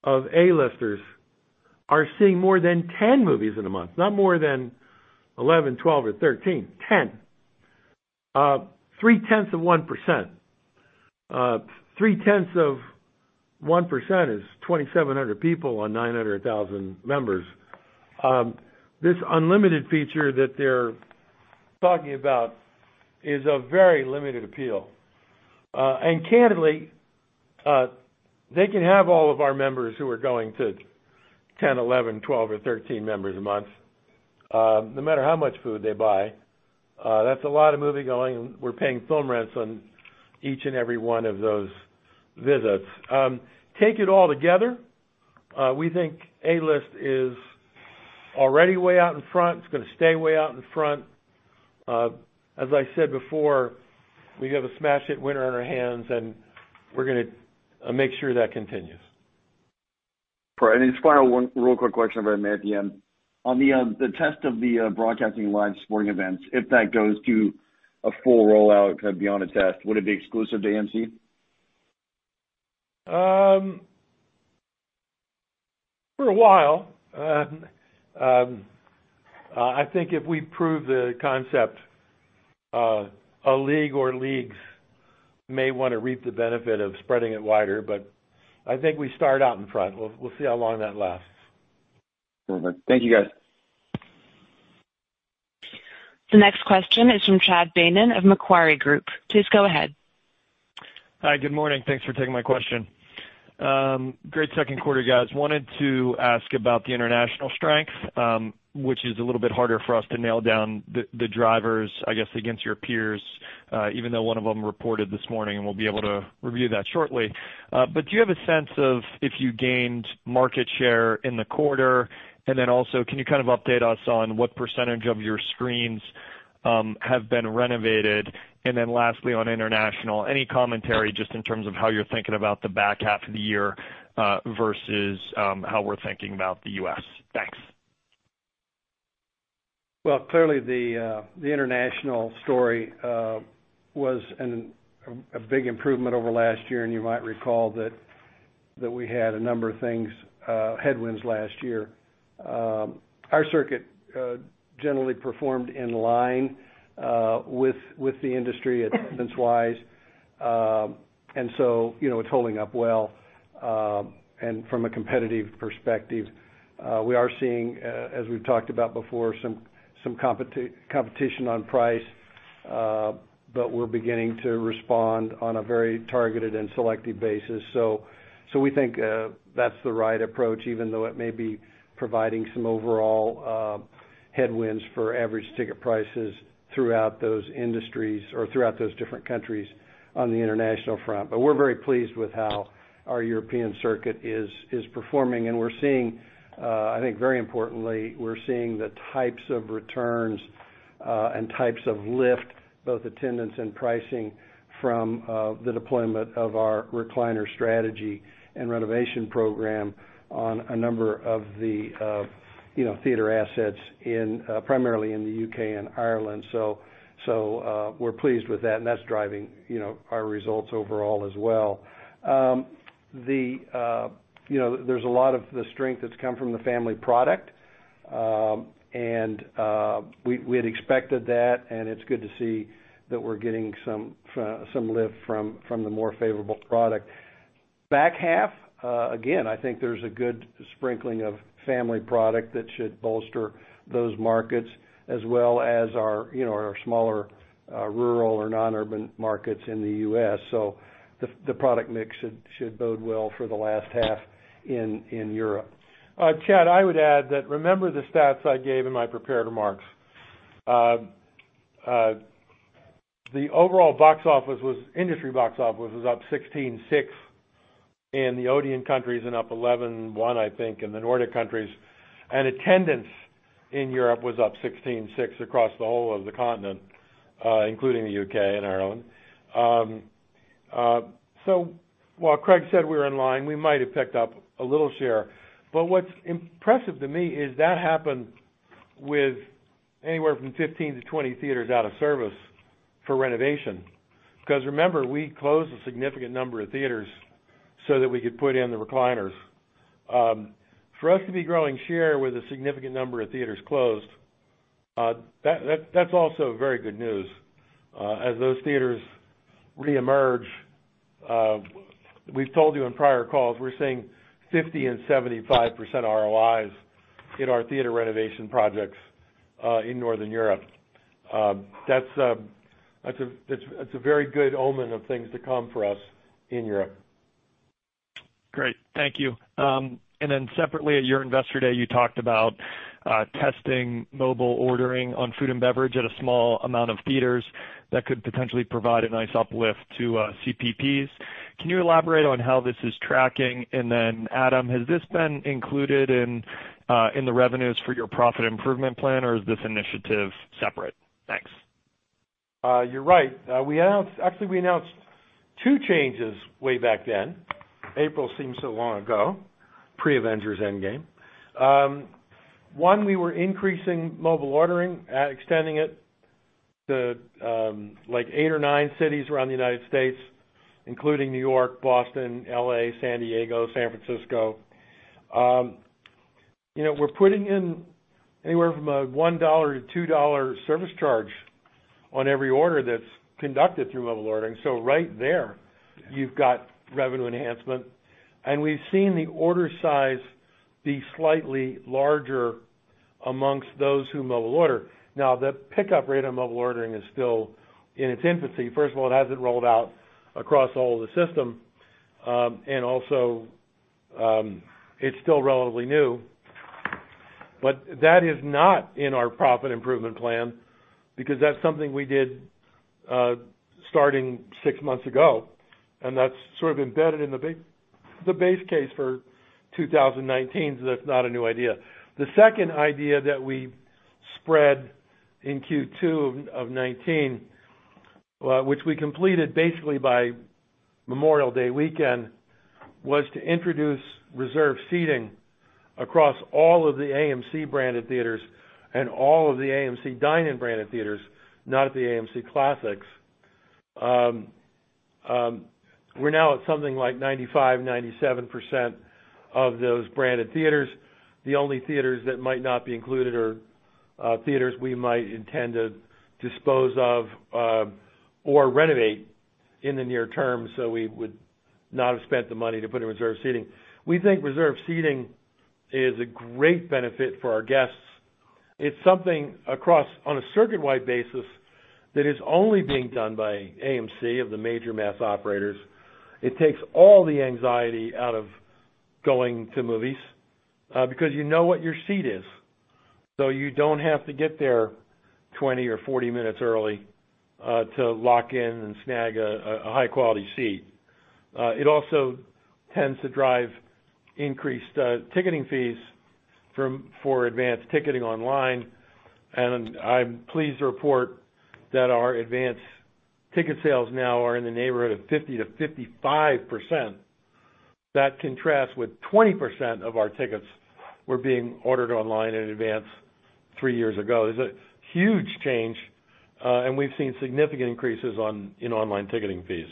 of A-Listers are seeing more than 10 movies in a month. Not more than 11, 12 or 13, 10. Three-tenths of 1%. Three-tenths of 1% is 2,700 people on 900,000 members. This unlimited feature that they're talking about is of very limited appeal. Candidly, they can have all of our members who are going to 10, 11, 12 or 13 members a month. No matter how much food they buy, that's a lot of moviegoing, and we're paying film rents on each and every one of those visits. Take it all together, we think A-List is already way out in front. It's going to stay way out in front. As I said before, we have a smash hit winner on our hands, and we're going to make sure that continues. Right. Just final one real quick question, if I may, at the end. On the test of the broadcasting live sporting events, if that goes to a full rollout kind of beyond a test, would it be exclusive to AMC? For a while. I think if we prove the concept, a league or leagues may want to reap the benefit of spreading it wider. I think we start out in front. We'll see how long that lasts. All right. Thank you, guys. The next question is from Chad Beynon of Macquarie Group. Please go ahead. Hi, good morning. Thanks for taking my question. Great second quarter, guys. Wanted to ask about the international strength, which is a little bit harder for us to nail down the drivers, I guess, against your peers, even though one of them reported this morning, and we'll be able to review that shortly. Do you have a sense of if you gained market share in the quarter? Also, can you kind of update us on what percent of your screens have been renovated? Lastly, on international, any commentary just in terms of how you're thinking about the back half of the year, versus, how we're thinking about the U.S. Thanks. Well, clearly the international story was a big improvement over last year, and you might recall that we had a number of things, headwinds last year. Our circuit generally performed in line with the industry, attendance wise. It's holding up well. From a competitive perspective, we are seeing, as we've talked about before, some competition on price, but we're beginning to respond on a very targeted and selective basis. We think that's the right approach, even though it may be providing some overall headwinds for average ticket prices throughout those industries or throughout those different countries on the international front. We're very pleased with how our European circuit is performing, and we're seeing, I think very importantly, we're seeing the types of returns, and types of lift, both attendance and pricing from the deployment of our recliner strategy and renovation program on a number of the theater assets primarily in the U.K. and Ireland. We're pleased with that, and that's driving our results overall as well. There's a lot of the strength that's come from the family product. We had expected that, and it's good to see that we're getting some lift from the more favorable product. Back half, again, I think there's a good sprinkling of family product that should bolster those markets as well as our smaller rural or non-urban markets in the U.S. The product mix should bode well for the last half in Europe. Chad, I would add that, remember the stats I gave in my prepared remarks. The overall industry box office was up 16.6% in the Odeon countries and up 11.1%, I think, in the Nordic countries. Attendance in Europe was up 16.6% across the whole of the continent, including the U.K. and Ireland. While Craig said we were in line, we might have picked up a little share. What's impressive to me is that happened with anywhere from 15-20 theaters out of service for renovation. Remember, we closed a significant number of theaters so that we could put in the recliners. For us to be growing share with a significant number of theaters closed, that's also very good news. As those theaters reemerge, we've told you in prior calls, we're seeing 50 and 75% ROIs in our theater renovation projects, in Northern Europe. That's a very good omen of things to come for us in Europe. Great. Thank you. Separately, at your Investor Day, you talked about testing mobile ordering on food and beverage at a small amount of theaters that could potentially provide a nice uplift to CPPs. Can you elaborate on how this is tracking? Adam, has this been included in the revenues for your profit improvement plan, or is this initiative separate? Thanks. You're right. Actually, we announced two changes way back then. April seems so long ago, pre-"Avengers: Endgame." One, we were increasing mobile ordering, extending it to eight or nine cities around the U.S., including New York, Boston, L.A., San Diego, San Francisco. We're putting in anywhere from a $1-$2 service charge on every order that's conducted through mobile ordering. Right there, you've got revenue enhancement. We've seen the order size be slightly larger amongst those who mobile order. Now, the pickup rate on mobile ordering is still in its infancy. First of all, it hasn't rolled out across all of the system. Also, it's still relatively new. That is not in our profit improvement plan because that's something we did starting six months ago, and that's sort of embedded in the base case for 2019. That's not a new idea. The second idea that we spread in Q2 of 2019, which we completed basically by Memorial Day weekend, was to introduce reserved seating across all of the AMC-branded theaters and all of the AMC Dine-In branded theaters, not at the AMC Classic. We're now at something like 95%, 97% of those branded theaters. The only theaters that might not be included are theaters we might intend to dispose of or renovate in the near term, so we would not have spent the money to put in reserved seating. We think reserved seating is a great benefit for our guests. It's something across, on a circuit-wide basis, that is only being done by AMC of the major mass operators. It takes all the anxiety out of going to movies because you know what your seat is. You don't have to get there 20 or 40 minutes early to lock in and snag a high-quality seat. It also tends to drive increased ticketing fees for advanced ticketing online, and I'm pleased to report that our advance ticket sales now are in the neighborhood of 50%-55%. That contrasts with 20% of our tickets were being ordered online in advance three years ago. It's a huge change. We've seen significant increases in online ticketing fees.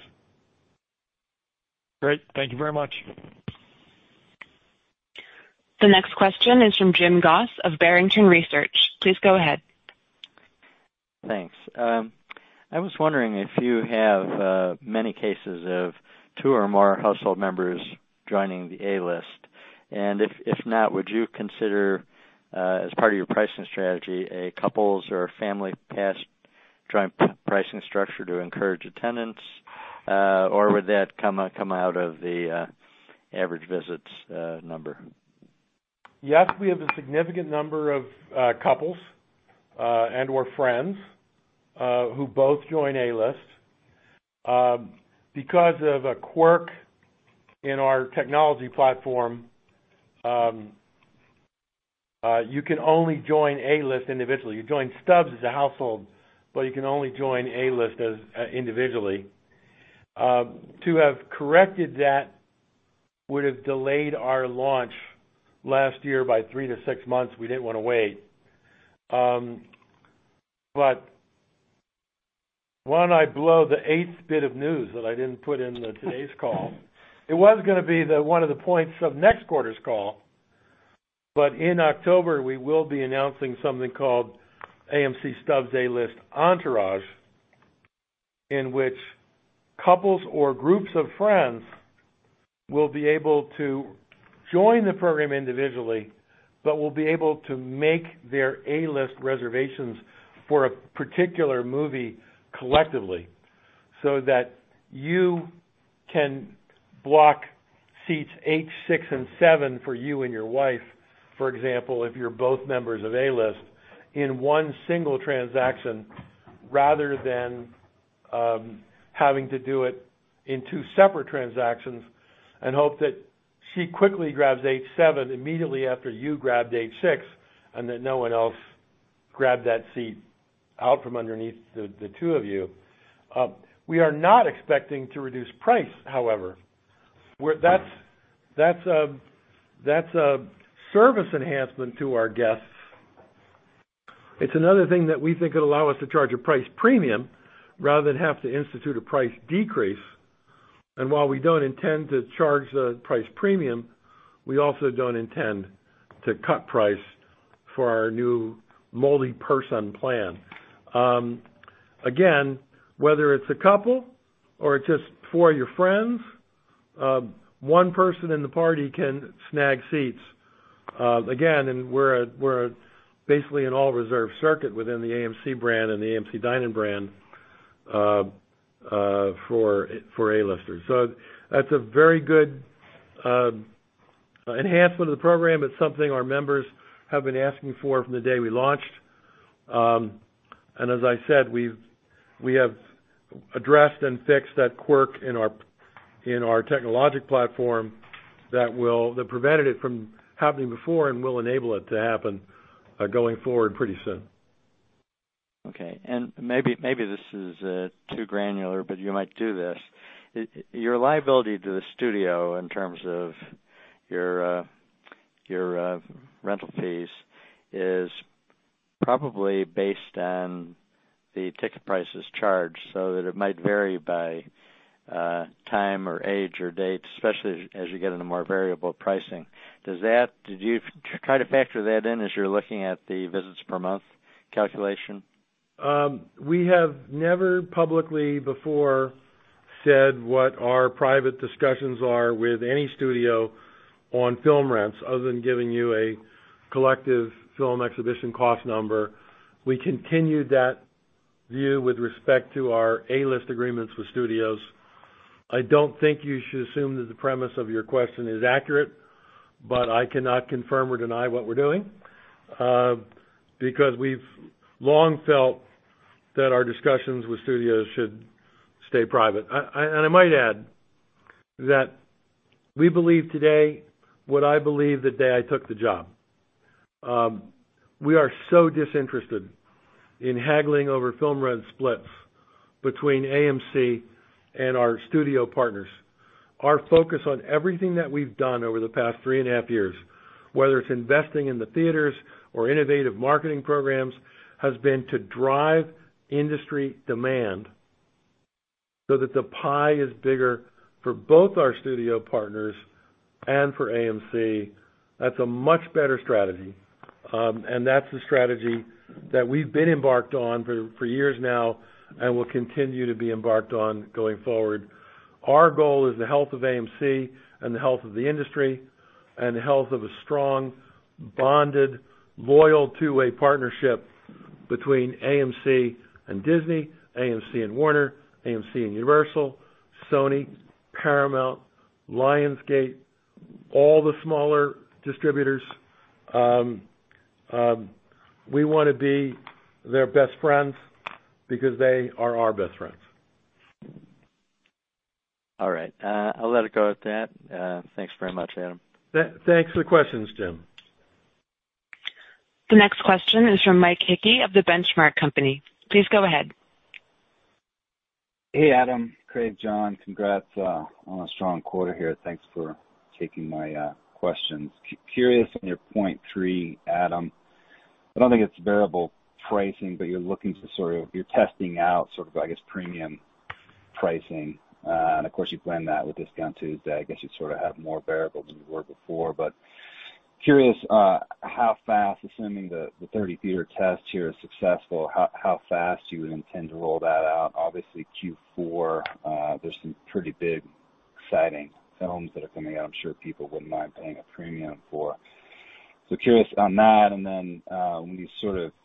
Great. Thank you very much. The next question is from James Goss of Barrington Research. Please go ahead. Thanks. I was wondering if you have many cases of two or more household members joining the A-List, and if not, would you consider, as part of your pricing strategy, a couples or family pass pricing structure to encourage attendance? Would that come out of the average visits number? Yes, we have a significant number of couples, and/or friends, who both join A-List. Because of a quirk in our technology platform, you can only join A-List individually. You join Stubs as a household, but you can only join A-List individually. To have corrected that would have delayed our launch last year by three to six months. We didn't want to wait. Why don't I blow the eighth bit of news that I didn't put in today's call? It was going to be one of the points of next quarter's call. In October, we will be announcing something called AMC Stubs A-List Entourage, in which couples or groups of friends will be able to join the program individually, but will be able to make their A-List reservations for a particular movie collectively so that you can block seats H six and seven or you and your wife, for example, if you're both members of A-List, in one single transaction, rather than having to do it in two separate transactions and hope that she quickly grabs H seven immediately after you grabbed H six, and that no one else grabbed that seat out from underneath the two of you. We are not expecting to reduce price, however. That's a service enhancement to our guests. It's another thing that we think could allow us to charge a price premium rather than have to institute a price decrease. While we don't intend to charge the price premium, we also don't intend to cut price for our new multi-person plan. Again, whether it's a couple or it's just four of your friends, one person in the party can snag seats. Again, we're basically an all-reserved circuit within the AMC brand and the AMC Dine-In brand for A-Listers. That's a very good enhancement of the program. It's something our members have been asking for from the day we launched. As I said, we have addressed and fixed that quirk in our technological platform that prevented it from happening before and will enable it to happen going forward pretty soon. Okay. Maybe this is too granular, but you might do this. Your liability to the studio in terms of your rental fees is probably based on the ticket prices charged so that it might vary by time or age or date, especially as you get into more variable pricing. Did you try to factor that in as you're looking at the visits per month calculation? We have never publicly before said what our private discussions are with any studio on film rents, other than giving you a collective film exhibition cost number. We continued that view with respect to our A-List agreements with studios. I don't think you should assume that the premise of your question is accurate, but I cannot confirm or deny what we're doing, because we've long felt that our discussions with studios should stay private. And I might add that we believe today what I believed the day I took the job. We are so disinterested in haggling over film rent splits between AMC and our studio partners. Our focus on everything that we've done over the past three and a half years, whether it's investing in the theaters or innovative marketing programs, has been to drive industry demand so that the pie is bigger for both our studio partners and for AMC. That's a much better strategy. That's the strategy that we've been embarked on for years now and will continue to be embarked on going forward. Our goal is the health of AMC and the health of the industry and the health of a strong, bonded, loyal two-way partnership between AMC and Disney, AMC and Warner, AMC and Universal, Sony, Paramount, Lionsgate, all the smaller distributors. We want to be their best friends because they are our best friends. All right. I'll let it go at that. Thanks very much, Adam. Thanks for the questions, Jim. The next question is from Mike Hickey of The Benchmark Company. Please go ahead. Hey, Adam. Craig, John, congrats on a strong quarter here. Thanks for taking my questions. Curious on your point three, Adam. I don't think it's variable pricing, but you're looking to sort of, I guess, premium pricing. Of course, you blend that with Discount Tuesdays. I guess you sort of have more variable than you were before. Curious how fast, assuming the 30-theater test here is successful, how fast you would intend to roll that out? Obviously, Q4, there's some pretty big, exciting films that are coming out I'm sure people wouldn't mind paying a premium for. Curious on that,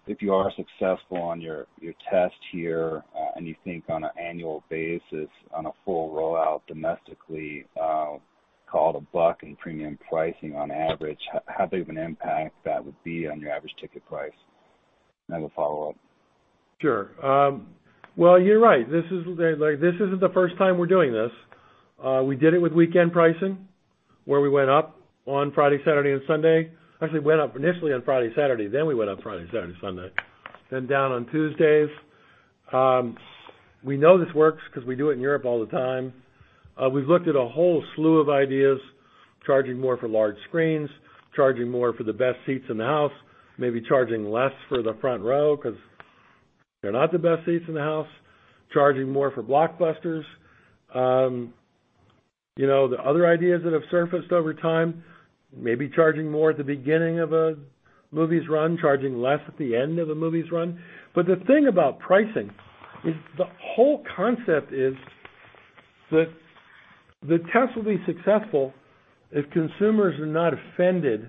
if you are successful on your test here, you think on an annual basis, on a full rollout domestically, call it $1 in premium pricing on average, how big of an impact that would be on your average ticket price? I have a follow-up. Sure. Well, you're right. This isn't the first time we're doing this. We did it with weekend pricing, where we went up on Friday, Saturday, and Sunday. Actually, went up initially on Friday, Saturday, then we went up Friday, Saturday, and Sunday, then down on Tuesdays. We know this works because we do it in Europe all the time. We've looked at a whole slew of ideas, charging more for large screens, charging more for the best seats in the house, maybe charging less for the front row because they're not the best seats in the house, charging more for blockbusters. The other ideas that have surfaced over time, maybe charging more at the beginning of a movie's run, charging less at the end of a movie's run. The thing about pricing is the whole concept is that the test will be successful if consumers are not offended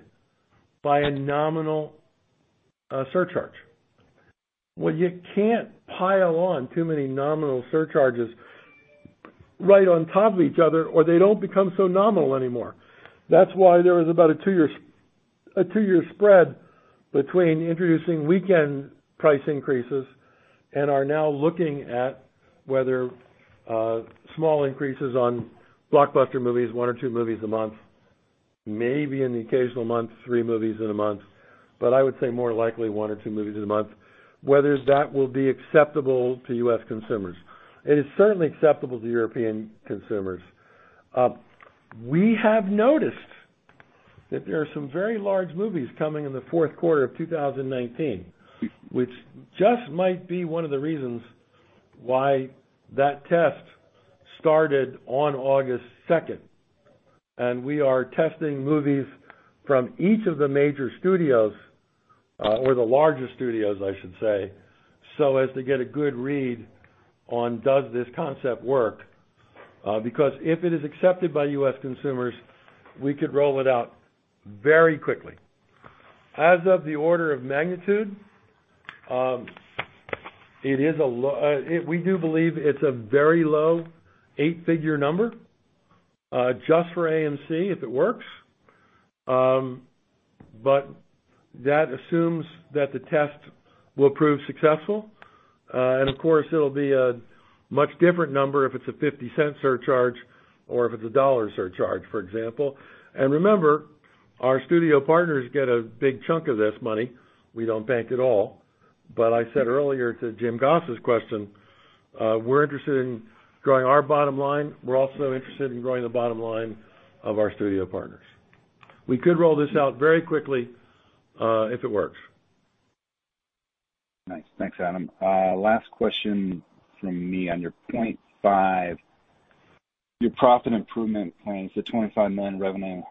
by a nominal surcharge. You can't pile on too many nominal surcharges right on top of each other, or they don't become so nominal anymore. That's why there was about a two-year spread between introducing weekend price increases and are now looking at whether small increases on blockbuster movies, one or two movies a month, maybe in the occasional month, three movies in a month, but I would say more likely one or two movies in a month, whether that will be acceptable to U.S. consumers. It is certainly acceptable to European consumers. We have noticed that there are some very large movies coming in the fourth quarter of 2019, which just might be one of the reasons why that test started on August 2nd. We are testing movies from each of the major studios, or the larger studios, I should say, so as to get a good read on does this concept work? If it is accepted by U.S. consumers, we could roll it out very quickly. As of the order of magnitude, we do believe it's a very low eight-figure number, just for AMC if it works. That assumes that the test will prove successful. Of course, it'll be a much different number if it's a $0.50 surcharge or if it's a $1 surcharge, for example. Remember, our studio partners get a big chunk of this money. We don't bank it all. I said earlier to James Goss' question, we're interested in growing our bottom line. We're also interested in growing the bottom line of our studio partners. We could roll this out very quickly, if it works. Nice. Thanks, Adam. Last question from me. On your point five, your profit improvement plans, the $25 million revenue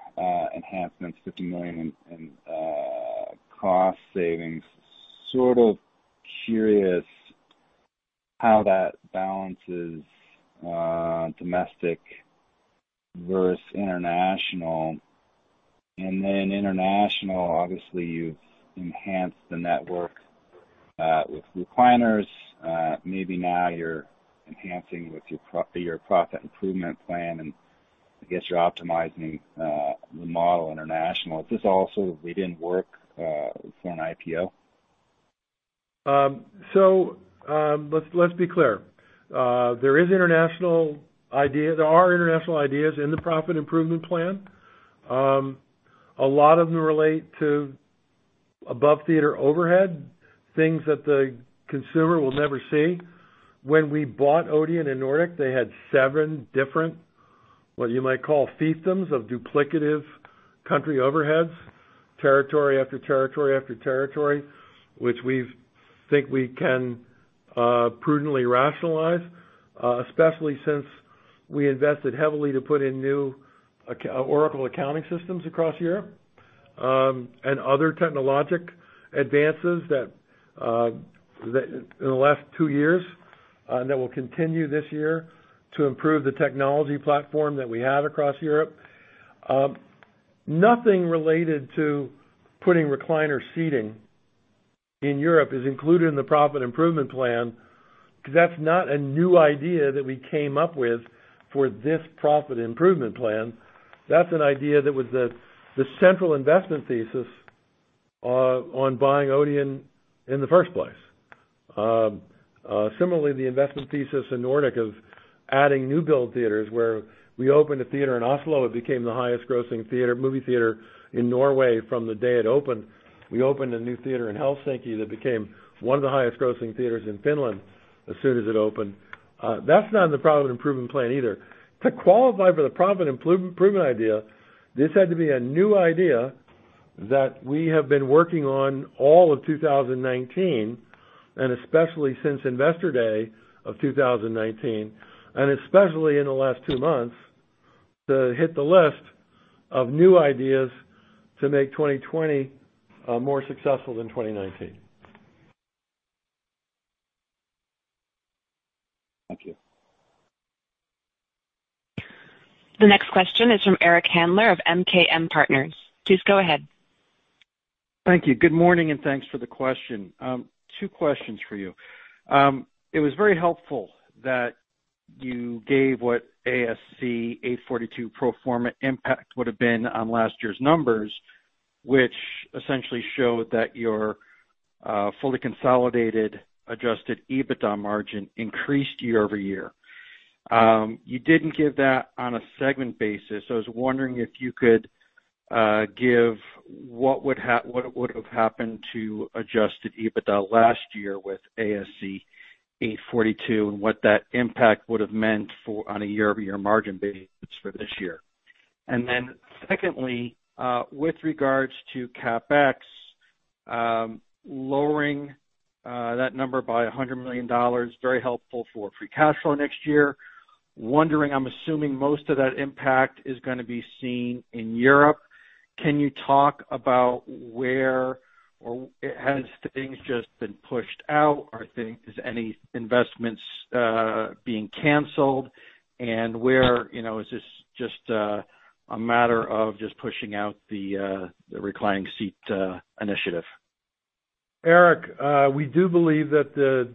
enhancements, $50 million in cost savings. Sort of curious how that balances domestic versus international. Then international, obviously, you've enhanced the network, with recliners. Maybe now you're enhancing with your profit improvement plan, and I guess you're optimizing the model international. Is this also within work for an IPO? Let's be clear. There are international ideas in the profit improvement plan. A lot of them relate to above theater overhead, things that the consumer will never see. When we bought Odeon and Nordic, they had seven different, what you might call fiefdoms of duplicative country overheads, territory after territory after territory, which we think we can prudently rationalize, especially since we invested heavily to put in new Oracle accounting systems across Europe, and other technologic advances in the last two years, and that will continue this year to improve the technology platform that we have across Europe. Nothing related to putting recliner seating in Europe is included in the profit improvement plan, because that's not a new idea that we came up with for this profit improvement plan. That's an idea that was the central investment thesis on buying Odeon in the first place. Similarly, the investment thesis in Nordic of adding new build theaters, where we opened a theater in Oslo, it became the highest grossing movie theater in Norway from the day it opened. We opened a new theater in Helsinki that became one of the highest grossing theaters in Finland as soon as it opened. That is not in the profit improvement plan either. To qualify for the profit improvement idea, this had to be a new idea that we have been working on all of 2019, and especially since Investor Day of 2019, and especially in the last two months, to hit the list of new ideas to make 2020 more successful than 2019. Thank you. The next question is from Eric Handler of MKM Partners. Please go ahead. Thank you. Good morning. Thanks for the question. Two questions for you. It was very helpful that you gave what ASC 842 pro forma impact would've been on last year's numbers, which essentially showed that your fully consolidated adjusted EBITDA margin increased year-over-year. You didn't give that on a segment basis. I was wondering if you could give what would have happened to adjusted EBITDA last year with ASC 842, and what that impact would've meant on a year-over-year margin basis for this year. Secondly, with regards to CapEx, lowering that number by $100 million, very helpful for free cash flow next year. Wondering, I'm assuming most of that impact is going to be seen in Europe. Can you talk about where or has things just been pushed out? Is any investments being canceled? Where is this just a matter of just pushing out the reclining seat initiative? Eric, we do believe that the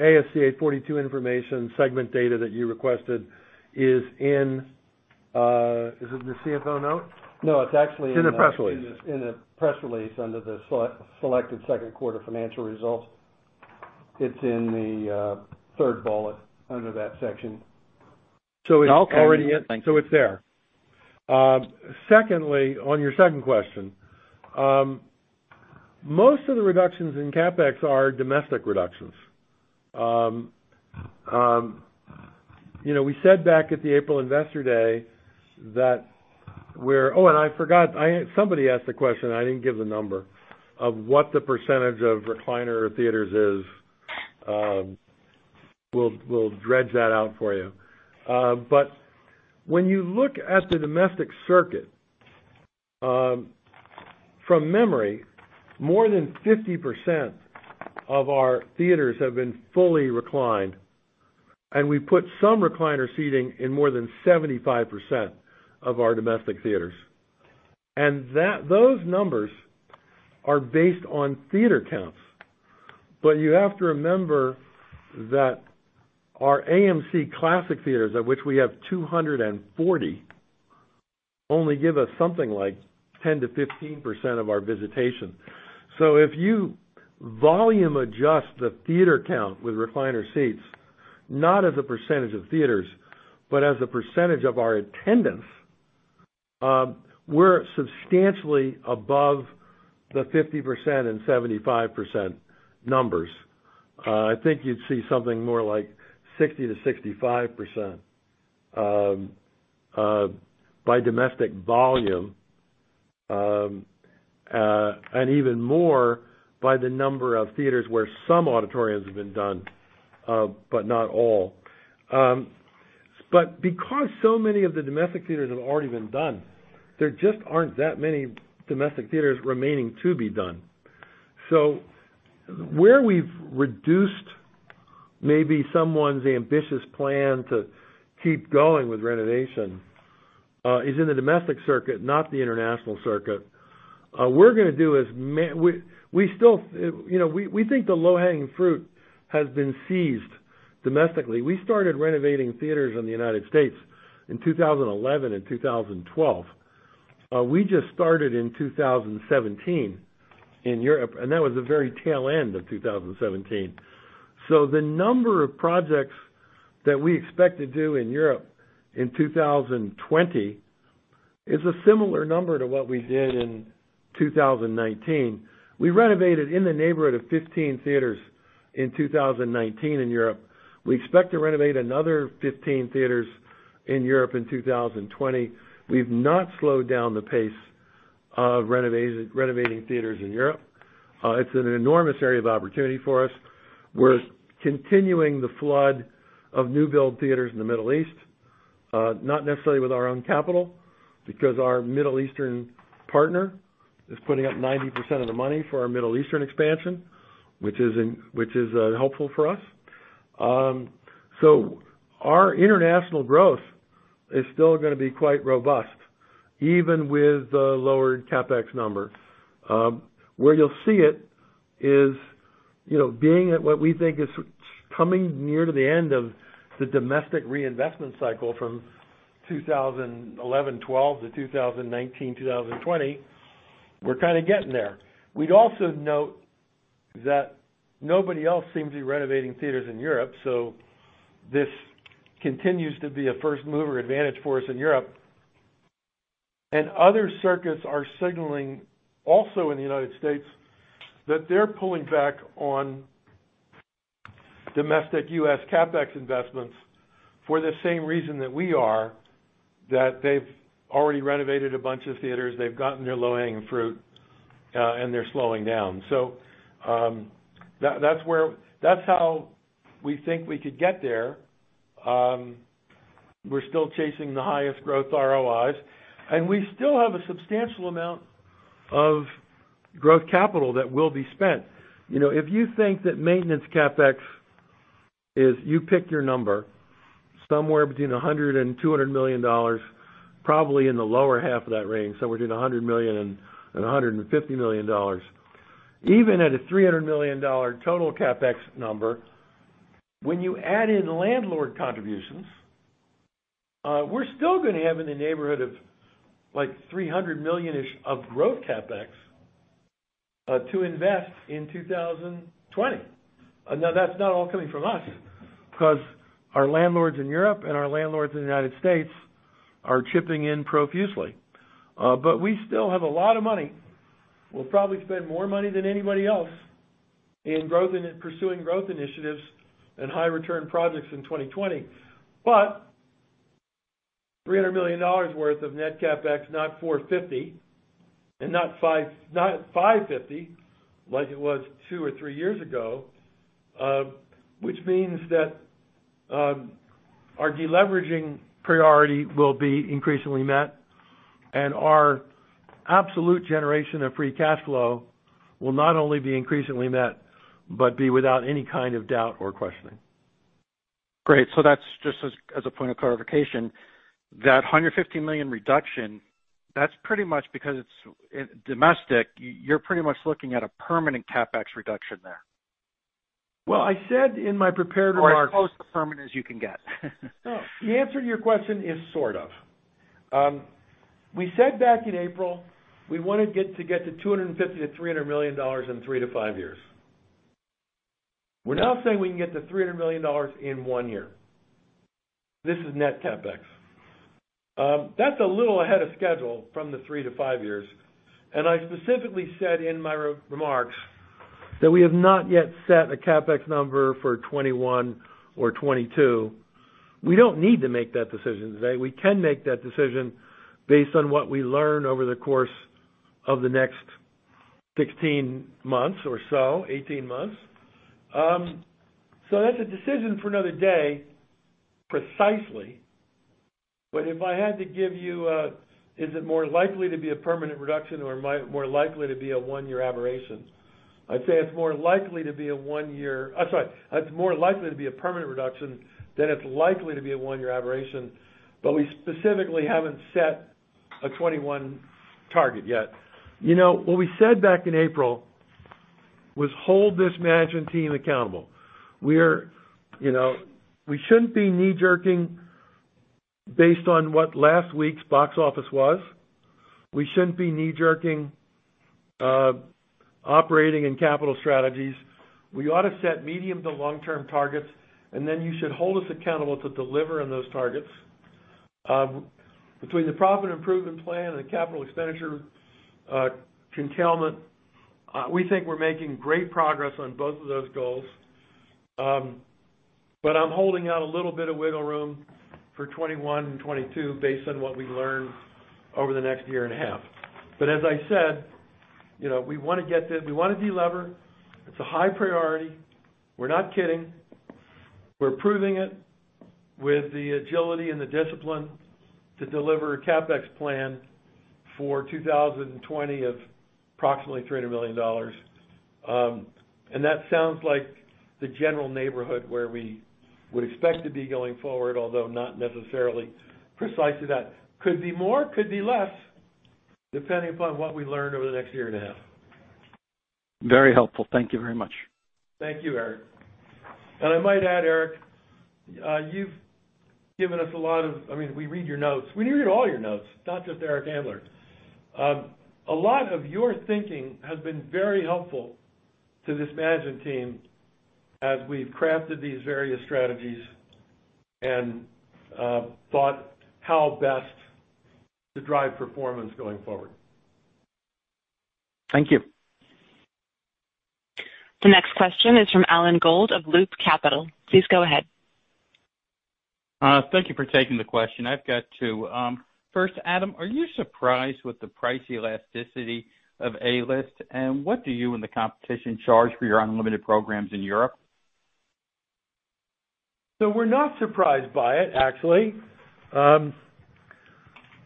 ASC 842 information segment data that you requested Is it in the CFO note? No, it's actually- In the press release. in the press release under the selected second quarter financial results. It's in the third bullet under that section. Okay. It's there. Secondly, on your second question, most of the reductions in CapEx are domestic reductions. We said back at the April Investor Day. Oh, and I forgot, somebody asked the question, I didn't give the number, of what the percentage of recliner theaters is. We'll dredge that out for you. When you look at the domestic circuit, from memory, more than 50% of our theaters have been fully reclined. We put some recliner seating in more than 75% of our domestic theaters. Those numbers are based on theater counts. You have to remember that our AMC Classic theaters, of which we have 240, only give us something like 10%-15% of our visitation. If you volume adjust the theater count with recliner seats, not as a percentage of theaters, but as a percentage of our attendance, we're substantially above the 50% and 75% numbers. I think you'd see something more like 60%-65% by domestic volume, and even more by the number of theaters where some auditoriums have been done, but not all. Because so many of the domestic theaters have already been done, there just aren't that many domestic theaters remaining to be done. Where we've reduced maybe someone's ambitious plan to keep going with renovation is in the domestic circuit, not the international circuit. We think the low-hanging fruit has been seized domestically. We started renovating theaters in the U.S. in 2011 and 2012. We just started in 2017 in Europe, and that was the very tail end of 2017. The number of projects that we expect to do in Europe in 2020 is a similar number to what we did in 2019. We renovated in the neighborhood of 15 theaters in 2019 in Europe. We expect to renovate another 15 theaters in Europe in 2020. We've not slowed down the pace of renovating theaters in Europe. It's an enormous area of opportunity for us. We're continuing the flood of new build theaters in the Middle East. Not necessarily with our own capital, because our Middle Eastern partner is putting up 90% of the money for our Middle Eastern expansion, which is helpful for us. Our international growth is still going to be quite robust, even with the lower CapEx number. Where you'll see it is, being at what we think is coming near to the end of the domestic reinvestment cycle from 2011-2012 to 2019-2020, we're kind of getting there. We'd also note that nobody else seems to be renovating theaters in Europe, so this continues to be a first-mover advantage for us in Europe. Other circuits are signaling, also in the U.S., that they're pulling back on domestic U.S. CapEx investments for the same reason that we are, that they've already renovated a bunch of theaters, they've gotten their low-hanging fruit, and they're slowing down. That's how we think we could get there. We're still chasing the highest growth ROIs, and we still have a substantial amount of growth capital that will be spent. If you think that maintenance CapEx is, you pick your number, somewhere between $100 million and $200 million, probably in the lower half of that range, somewhere between $100 million and $150 million. Even at a $300 million total CapEx number, when you add in landlord contributions, we're still going to have in the neighborhood of like $300 million-ish of growth CapEx to invest in 2020. That's not all coming from us because our landlords in Europe and our landlords in the United States are chipping in profusely. We still have a lot of money. We'll probably spend more money than anybody else in pursuing growth initiatives and high-return projects in 2020. But $300 million worth of net CapEx, not $450 million, and not $550 million like it was two or three years ago. Which means that our deleveraging priority will be increasingly met, and our absolute generation of free cash flow will not only be increasingly met, but be without any kind of doubt or questioning. Great. That's just as a point of clarification. That $150 million reduction, that's pretty much because it's domestic. You're pretty much looking at a permanent CapEx reduction there. Well, I said in my prepared remarks. As close to permanent as you can get. The answer to your question is sort of. We said back in April we wanted to get to $250 million-$300 million in three to five years. We're now saying we can get to $300 million in one year. This is net CapEx. That's a little ahead of schedule from the three to five years, and I specifically said in my remarks that we have not yet set a CapEx number for 2021 or 2022. We don't need to make that decision today. We can make that decision based on what we learn over the course of the next 16 months or so, 18 months. That's a decision for another day, precisely, but if I had to give you a, is it more likely to be a permanent reduction or more likely to be a one-year aberration? I'd say it's more likely to be a permanent reduction than it's likely to be a one-year aberration, but we specifically haven't set a 2021 target yet. What we said back in April was hold this management team accountable. We shouldn't be knee-jerking based on what last week's box office was. We shouldn't be knee-jerking operating and capital strategies. We ought to set medium to long-term targets, and then you should hold us accountable to deliver on those targets. Between the profit improvement plan and the capital expenditure curtailment, we think we're making great progress on both of those goals. I'm holding out a little bit of wiggle room for 2021 and 2022 based on what we learn over the next year and a half. As I said, we want to de-lever. It's a high priority. We're not kidding. We're proving it with the agility and the discipline to deliver a CapEx plan for 2020 of approximately $300 million. That sounds like the general neighborhood where we would expect to be going forward, although not necessarily precisely that. Could be more, could be less, depending upon what we learn over the next year and a half. Very helpful. Thank you very much. Thank you, Eric. I might add, Eric, we read your notes. We read all your notes, not just Eric Handler's. A lot of your thinking has been very helpful to this management team as we've crafted these various strategies and thought how best to drive performance going forward. Thank you. The next question is from Alan Gould of Loop Capital. Please go ahead. Thank you for taking the question. I've got two. First, Adam, are you surprised with the price elasticity of A-List, and what do you and the competition charge for your unlimited programs in Europe? We're not surprised by it, actually. I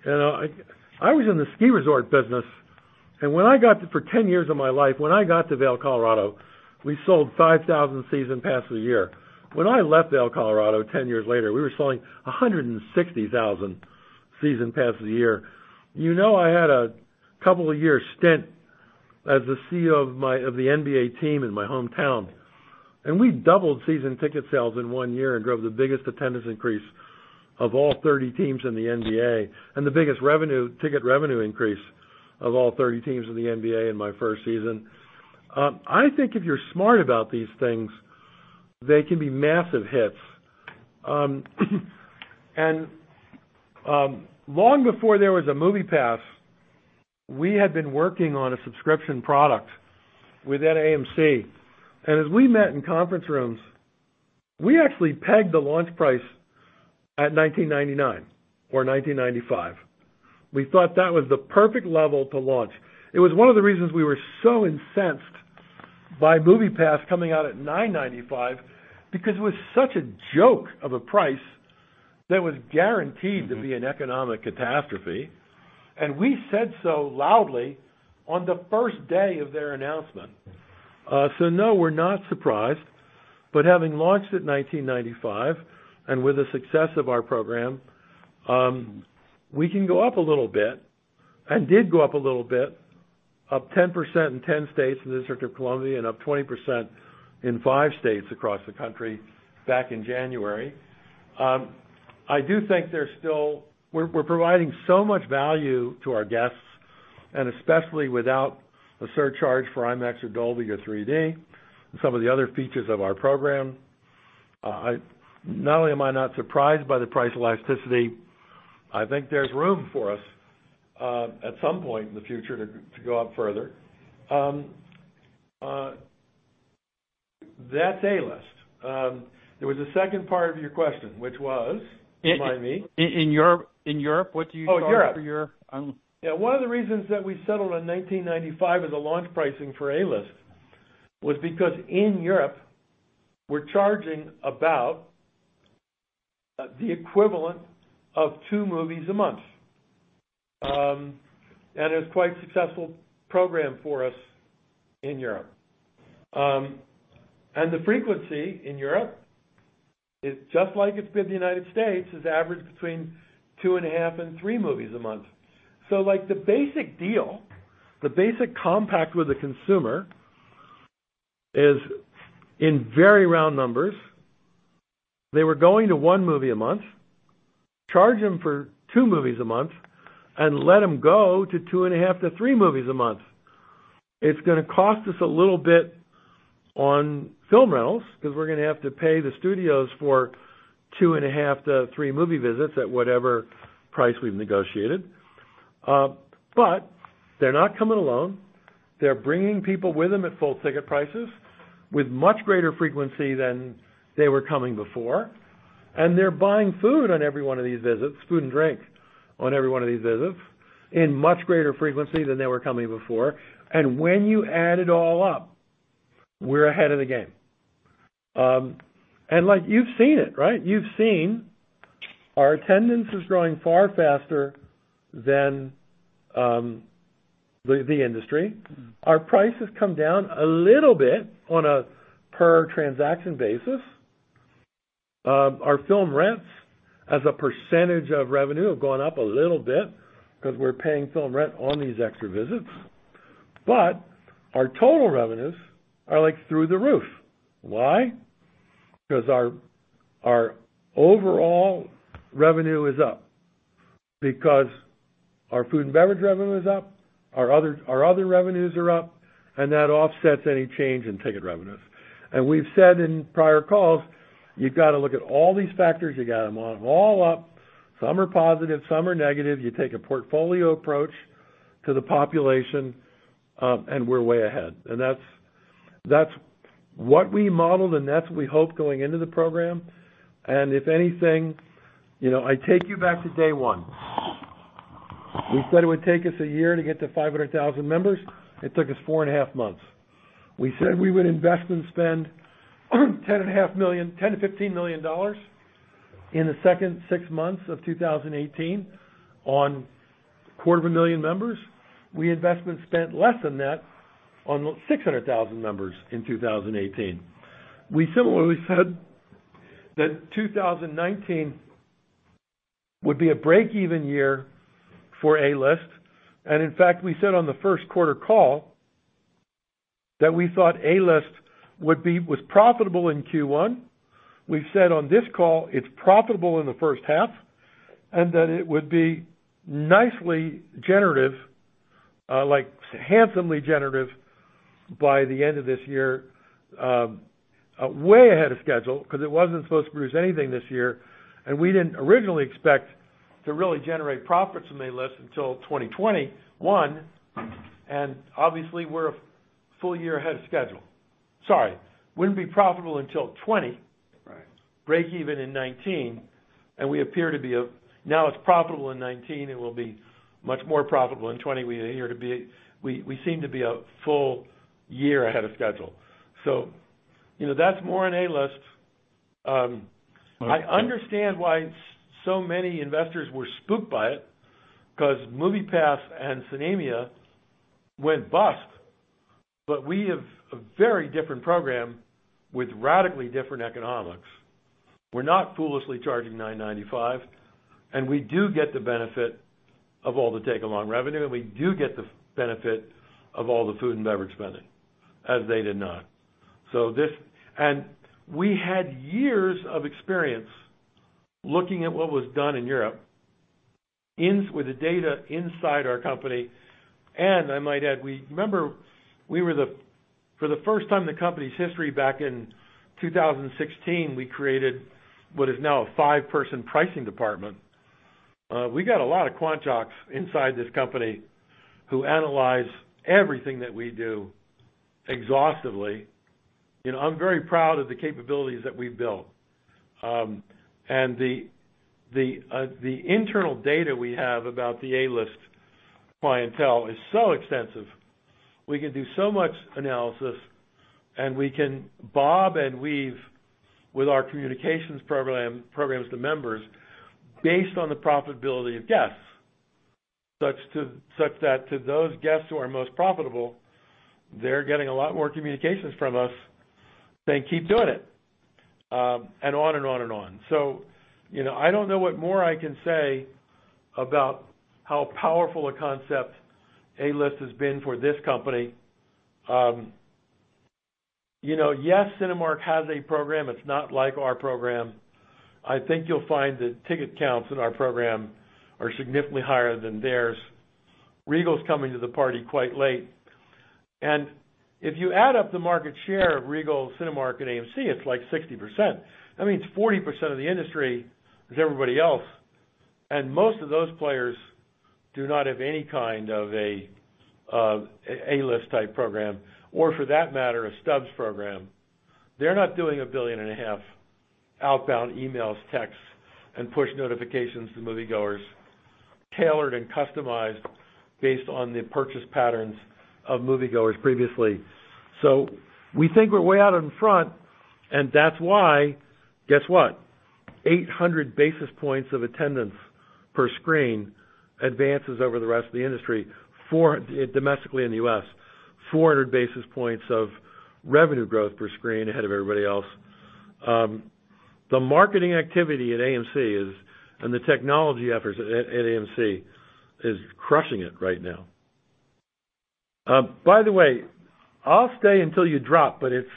was in the ski resort business for 10 years of my life. When I got to Vail, Colorado, we sold 5,000 season passes a year. When I left Vail, Colorado, 10 years later, we were selling 160,000 season passes a year. I had a couple of years stint as the CEO of the NBA team in my hometown, and we doubled season ticket sales in one year and drove the biggest attendance increase of all 30 teams in the NBA and the biggest ticket revenue increase of all 30 teams in the NBA in my first season. I think if you're smart about these things, they can be massive hits. Long before there was a MoviePass, we had been working on a subscription product within AMC. As we met in conference rooms, we actually pegged the launch price at $19.99 or $19.95. We thought that was the perfect level to launch. It was one of the reasons we were so incensed by MoviePass coming out at $9.95 because it was such a joke of a price that was guaranteed to be an economic catastrophe, and we said so loudly on the first day of their announcement. No, we're not surprised. Having launched at $19.95, and with the success of our program, we can go up a little bit, and did go up a little bit, up 10% in 10 states and the District of Columbia and up 20% in five states across the country back in January. I do think we're providing so much value to our guests, and especially without a surcharge for IMAX or Dolby or 3D and some of the other features of our program. Not only am I not surprised by the price elasticity, I think there's room for us, at some point in the future, to go up further. That's A-List. There was a second part of your question, which was? Remind me. In Europe, what do you. Oh, Europe. charge for your un- Yeah. One of the reasons that we settled on $19.95 as a launch pricing for A-List was because in Europe, we're charging about the equivalent of two movies a month. It's quite a successful program for us in Europe. The frequency in Europe is just like it's been in the U.S., is averaged between two and a half and three movies a month. The basic deal, the basic compact with the consumer is, in very round numbers, they were going to one movie a month, charge them for two movies a month, and let them go to two and a half to three movies a month. It's going to cost us a little bit on film rentals because we're going to have to pay the studios for two and a half to three movie visits at whatever price we've negotiated. They're not coming alone. They're bringing people with them at full ticket prices with much greater frequency than they were coming before. They're buying food on every one of these visits, food and drink on every one of these visits, in much greater frequency than they were coming before. When you add it all up, we're ahead of the game. You've seen it, right? You've seen our attendance is growing far faster than the industry. Our price has come down a little bit on a per transaction basis. Our film rents as a % of revenue have gone up a little bit because we're paying film rent on these extra visits. Our total revenues are through the roof. Why? Because our overall revenue is up. Because our food and beverage revenue is up, our other revenues are up, and that offsets any change in ticket revenues. We've said in prior calls, you've got to look at all these factors. You got to add them all up. Some are positive, some are negative. You take a portfolio approach to the population, and we're way ahead. That's what we modeled, and that's what we hoped going into the program. If anything, I take you back to day one. We said it would take us one year to get to 500,000 members. It took us four and a half months. We said we would invest and spend $10 million-$15 million in the second six months of 2018 on quarter of a million members. We invested and spent less than that on 600,000 members in 2018. We similarly said that 2019 would be a break-even year for A-List, and in fact, we said on the first quarter call that we thought A-List was profitable in Q1. We've said on this call it's profitable in the first half, and that it would be nicely generative, handsomely generative by the end of this year. Way ahead of schedule, because it wasn't supposed to produce anything this year, and we didn't originally expect to really generate profits from A-List until 2021. Obviously we're a full year ahead of schedule. Sorry, wouldn't be profitable until 2020. Right. Break even in 2019, now it's profitable in 2019, will be much more profitable in 2020. We seem to be a full year ahead of schedule. That's more on A-List. I understand why so many investors were spooked by it, because MoviePass and Sinemia went bust. We have a very different program with radically different economics. We're not foolishly charging $9.95, we do get the benefit of all the take-along revenue, we do get the benefit of all the food and beverage spending, as they did not. We had years of experience looking at what was done in Europe with the data inside our company. I might add, remember, for the first time in the company's history back in 2016, we created what is now a five-person pricing department. We got a lot of quant jocks inside this company who analyze everything that we do exhaustively. I'm very proud of the capabilities that we've built. The internal data we have about the A-List clientele is so extensive. We can do so much analysis, we can bob and weave with our communications programs to members based on the profitability of guests. Such that to those guests who are most profitable, they're getting a lot more communications from us saying, "Keep doing it," and on and on. I don't know what more I can say about how powerful a concept A-List has been for this company. Yes, Cinemark has a program. It's not like our program. I think you'll find the ticket counts in our program are significantly higher than theirs. Regal's coming to the party quite late. If you add up the market share of Regal, Cinemark, and AMC, it's like 60%. That means 40% of the industry is everybody else. Most of those players do not have any kind of a A-List type program or for that matter, a Stubs program. They're not doing a billion and a half outbound emails, texts, and push notifications to moviegoers, tailored and customized based on the purchase patterns of moviegoers previously. We think we're way out in front, and that's why, guess what? 800 basis points of attendance per screen advances over the rest of the industry, domestically in the U.S. 400 basis points of revenue growth per screen ahead of everybody else. The marketing activity at AMC is, and the technology efforts at AMC, is crushing it right now. By the way, I'll stay until you drop, but it's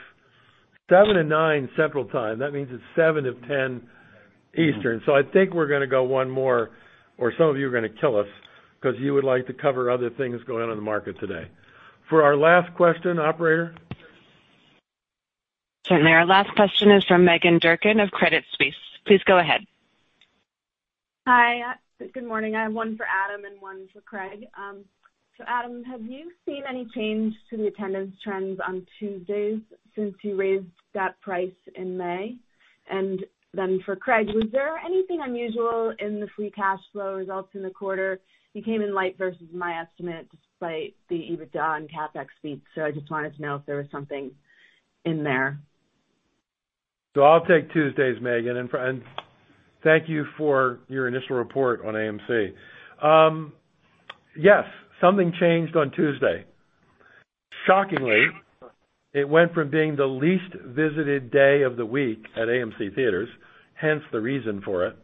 7:00 to 9:00 Central Time. That means it's 7:00 to 10:00 Eastern. I think we're going to go one more, or some of you are going to kill us because you would like to cover other things going on in the market today. For our last question, operator. Certainly. Our last question is from Meghan Durkin of Credit Suisse. Please go ahead. Hi. Good morning. I have one for Adam and one for Craig. Adam, have you seen any change to the attendance trends on Tuesdays since you raised that price in May? For Craig, was there anything unusual in the free cash flow results in the quarter? You came in light versus my estimate despite the EBITDA and CapEx speak, so I just wanted to know if there was something in there. I'll take Tuesdays, Meghan. Thank you for your initial report on AMC. Yes, something changed on Tuesday. Shockingly, it went from being the least visited day of the week at AMC Theatres, hence the reason for it.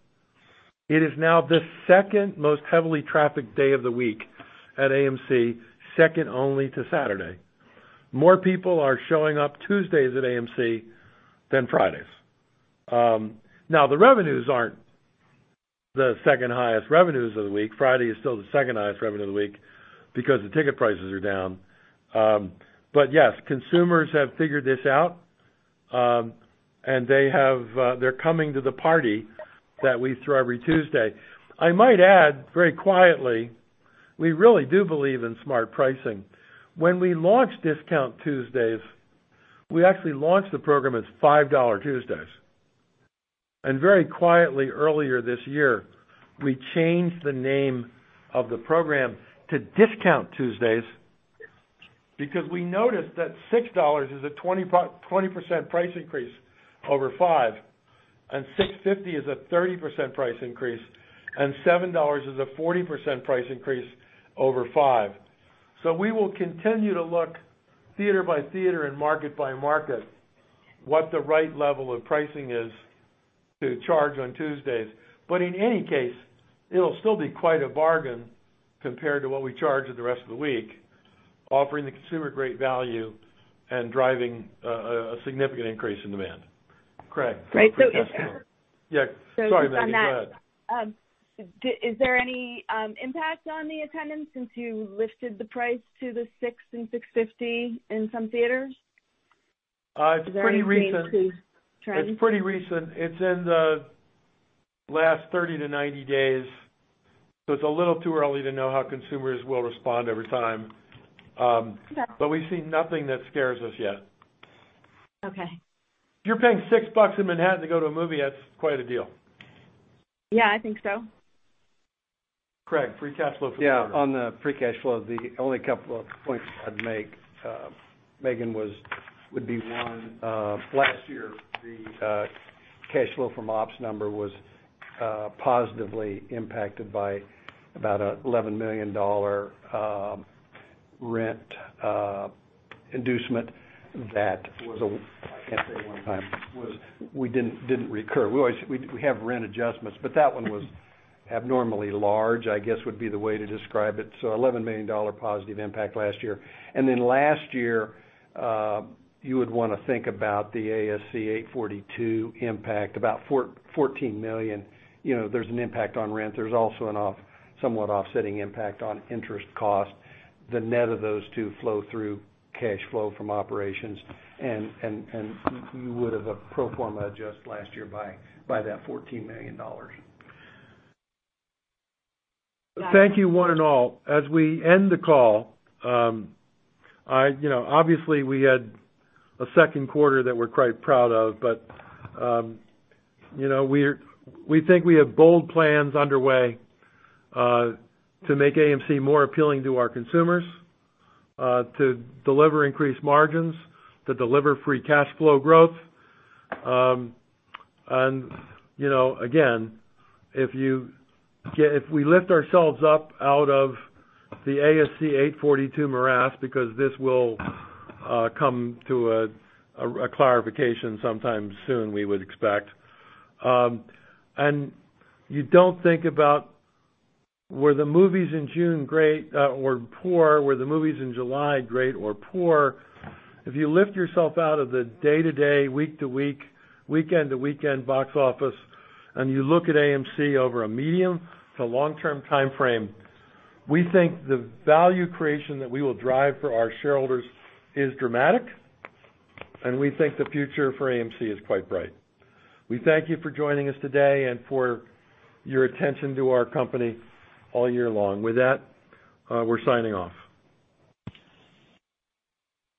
It is now the second most heavily trafficked day of the week at AMC, second only to Saturday. More people are showing up Tuesdays at AMC than Fridays. The revenues aren't the second-highest revenues of the week. Friday is still the second-highest revenue of the week because the ticket prices are down. Yes, consumers have figured this out, and they're coming to the party that we throw every Tuesday. I might add, very quietly, we really do believe in smart pricing. When we launched Discount Tuesdays, we actually launched the program as $5 Tuesdays. Very quietly earlier this year, we changed the name of the program to Discount Tuesdays because we noticed that $6 is a 20% price increase over $5, and $6.50 is a 30% price increase, and $7 is a 40% price increase over $5. We will continue to look theater by theater and market by market what the right level of pricing is to charge on Tuesdays. In any case, it'll still be quite a bargain compared to what we charge the rest of the week, offering the consumer great value and driving a significant increase in demand. Craig? Right. If Yeah, sorry, Meghan, go ahead. Just on that, is there any impact on the attendance since you lifted the price to the $6 and $6.50 in some theaters? It's pretty recent. Is there any change to trends? It's pretty recent. It's in the last 30-90 days. It's a little too early to know how consumers will respond over time. Okay. We've seen nothing that scares us yet. Okay. If you're paying $6 in Manhattan to go to a movie, that's quite a deal. Yeah, I think so. Craig, free cash flow for the quarter. Yeah. On the free cash flow, the only couple of points I'd make, Meghan, would be one, last year, the cash flow from ops number was positively impacted by about a $11 million rent inducement that was, I can't say one time, didn't recur. We have rent adjustments, but that one was abnormally large, I guess, would be the way to describe it. $11 million positive impact last year. Last year, you would want to think about the ASC 842 impact, about $14 million. There's an impact on rent. There's also a somewhat offsetting impact on interest cost, the net of those two flow through cash flow from operations. You would have a pro forma adjust last year by that $14 million. Thank you one and all. As we end the call, obviously we had a second quarter that we're quite proud of, but we think we have bold plans underway to make AMC more appealing to our consumers, to deliver increased margins, to deliver free cash flow growth. Again, if we lift ourselves up out of the ASC 842 morass, because this will come to a clarification sometime soon, we would expect, and you don't think about were the movies in June great or poor, were the movies in July great or poor. If you lift yourself out of the day-to-day, week-to-week, weekend-to-weekend box office, and you look at AMC over a medium to long-term timeframe, we think the value creation that we will drive for our shareholders is dramatic, and we think the future for AMC is quite bright. We thank you for joining us today and for your attention to our company all year long. With that, we're signing off.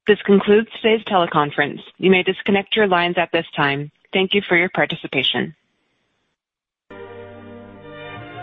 This concludes today's teleconference. You may disconnect your lines at this time. Thank you for your participation.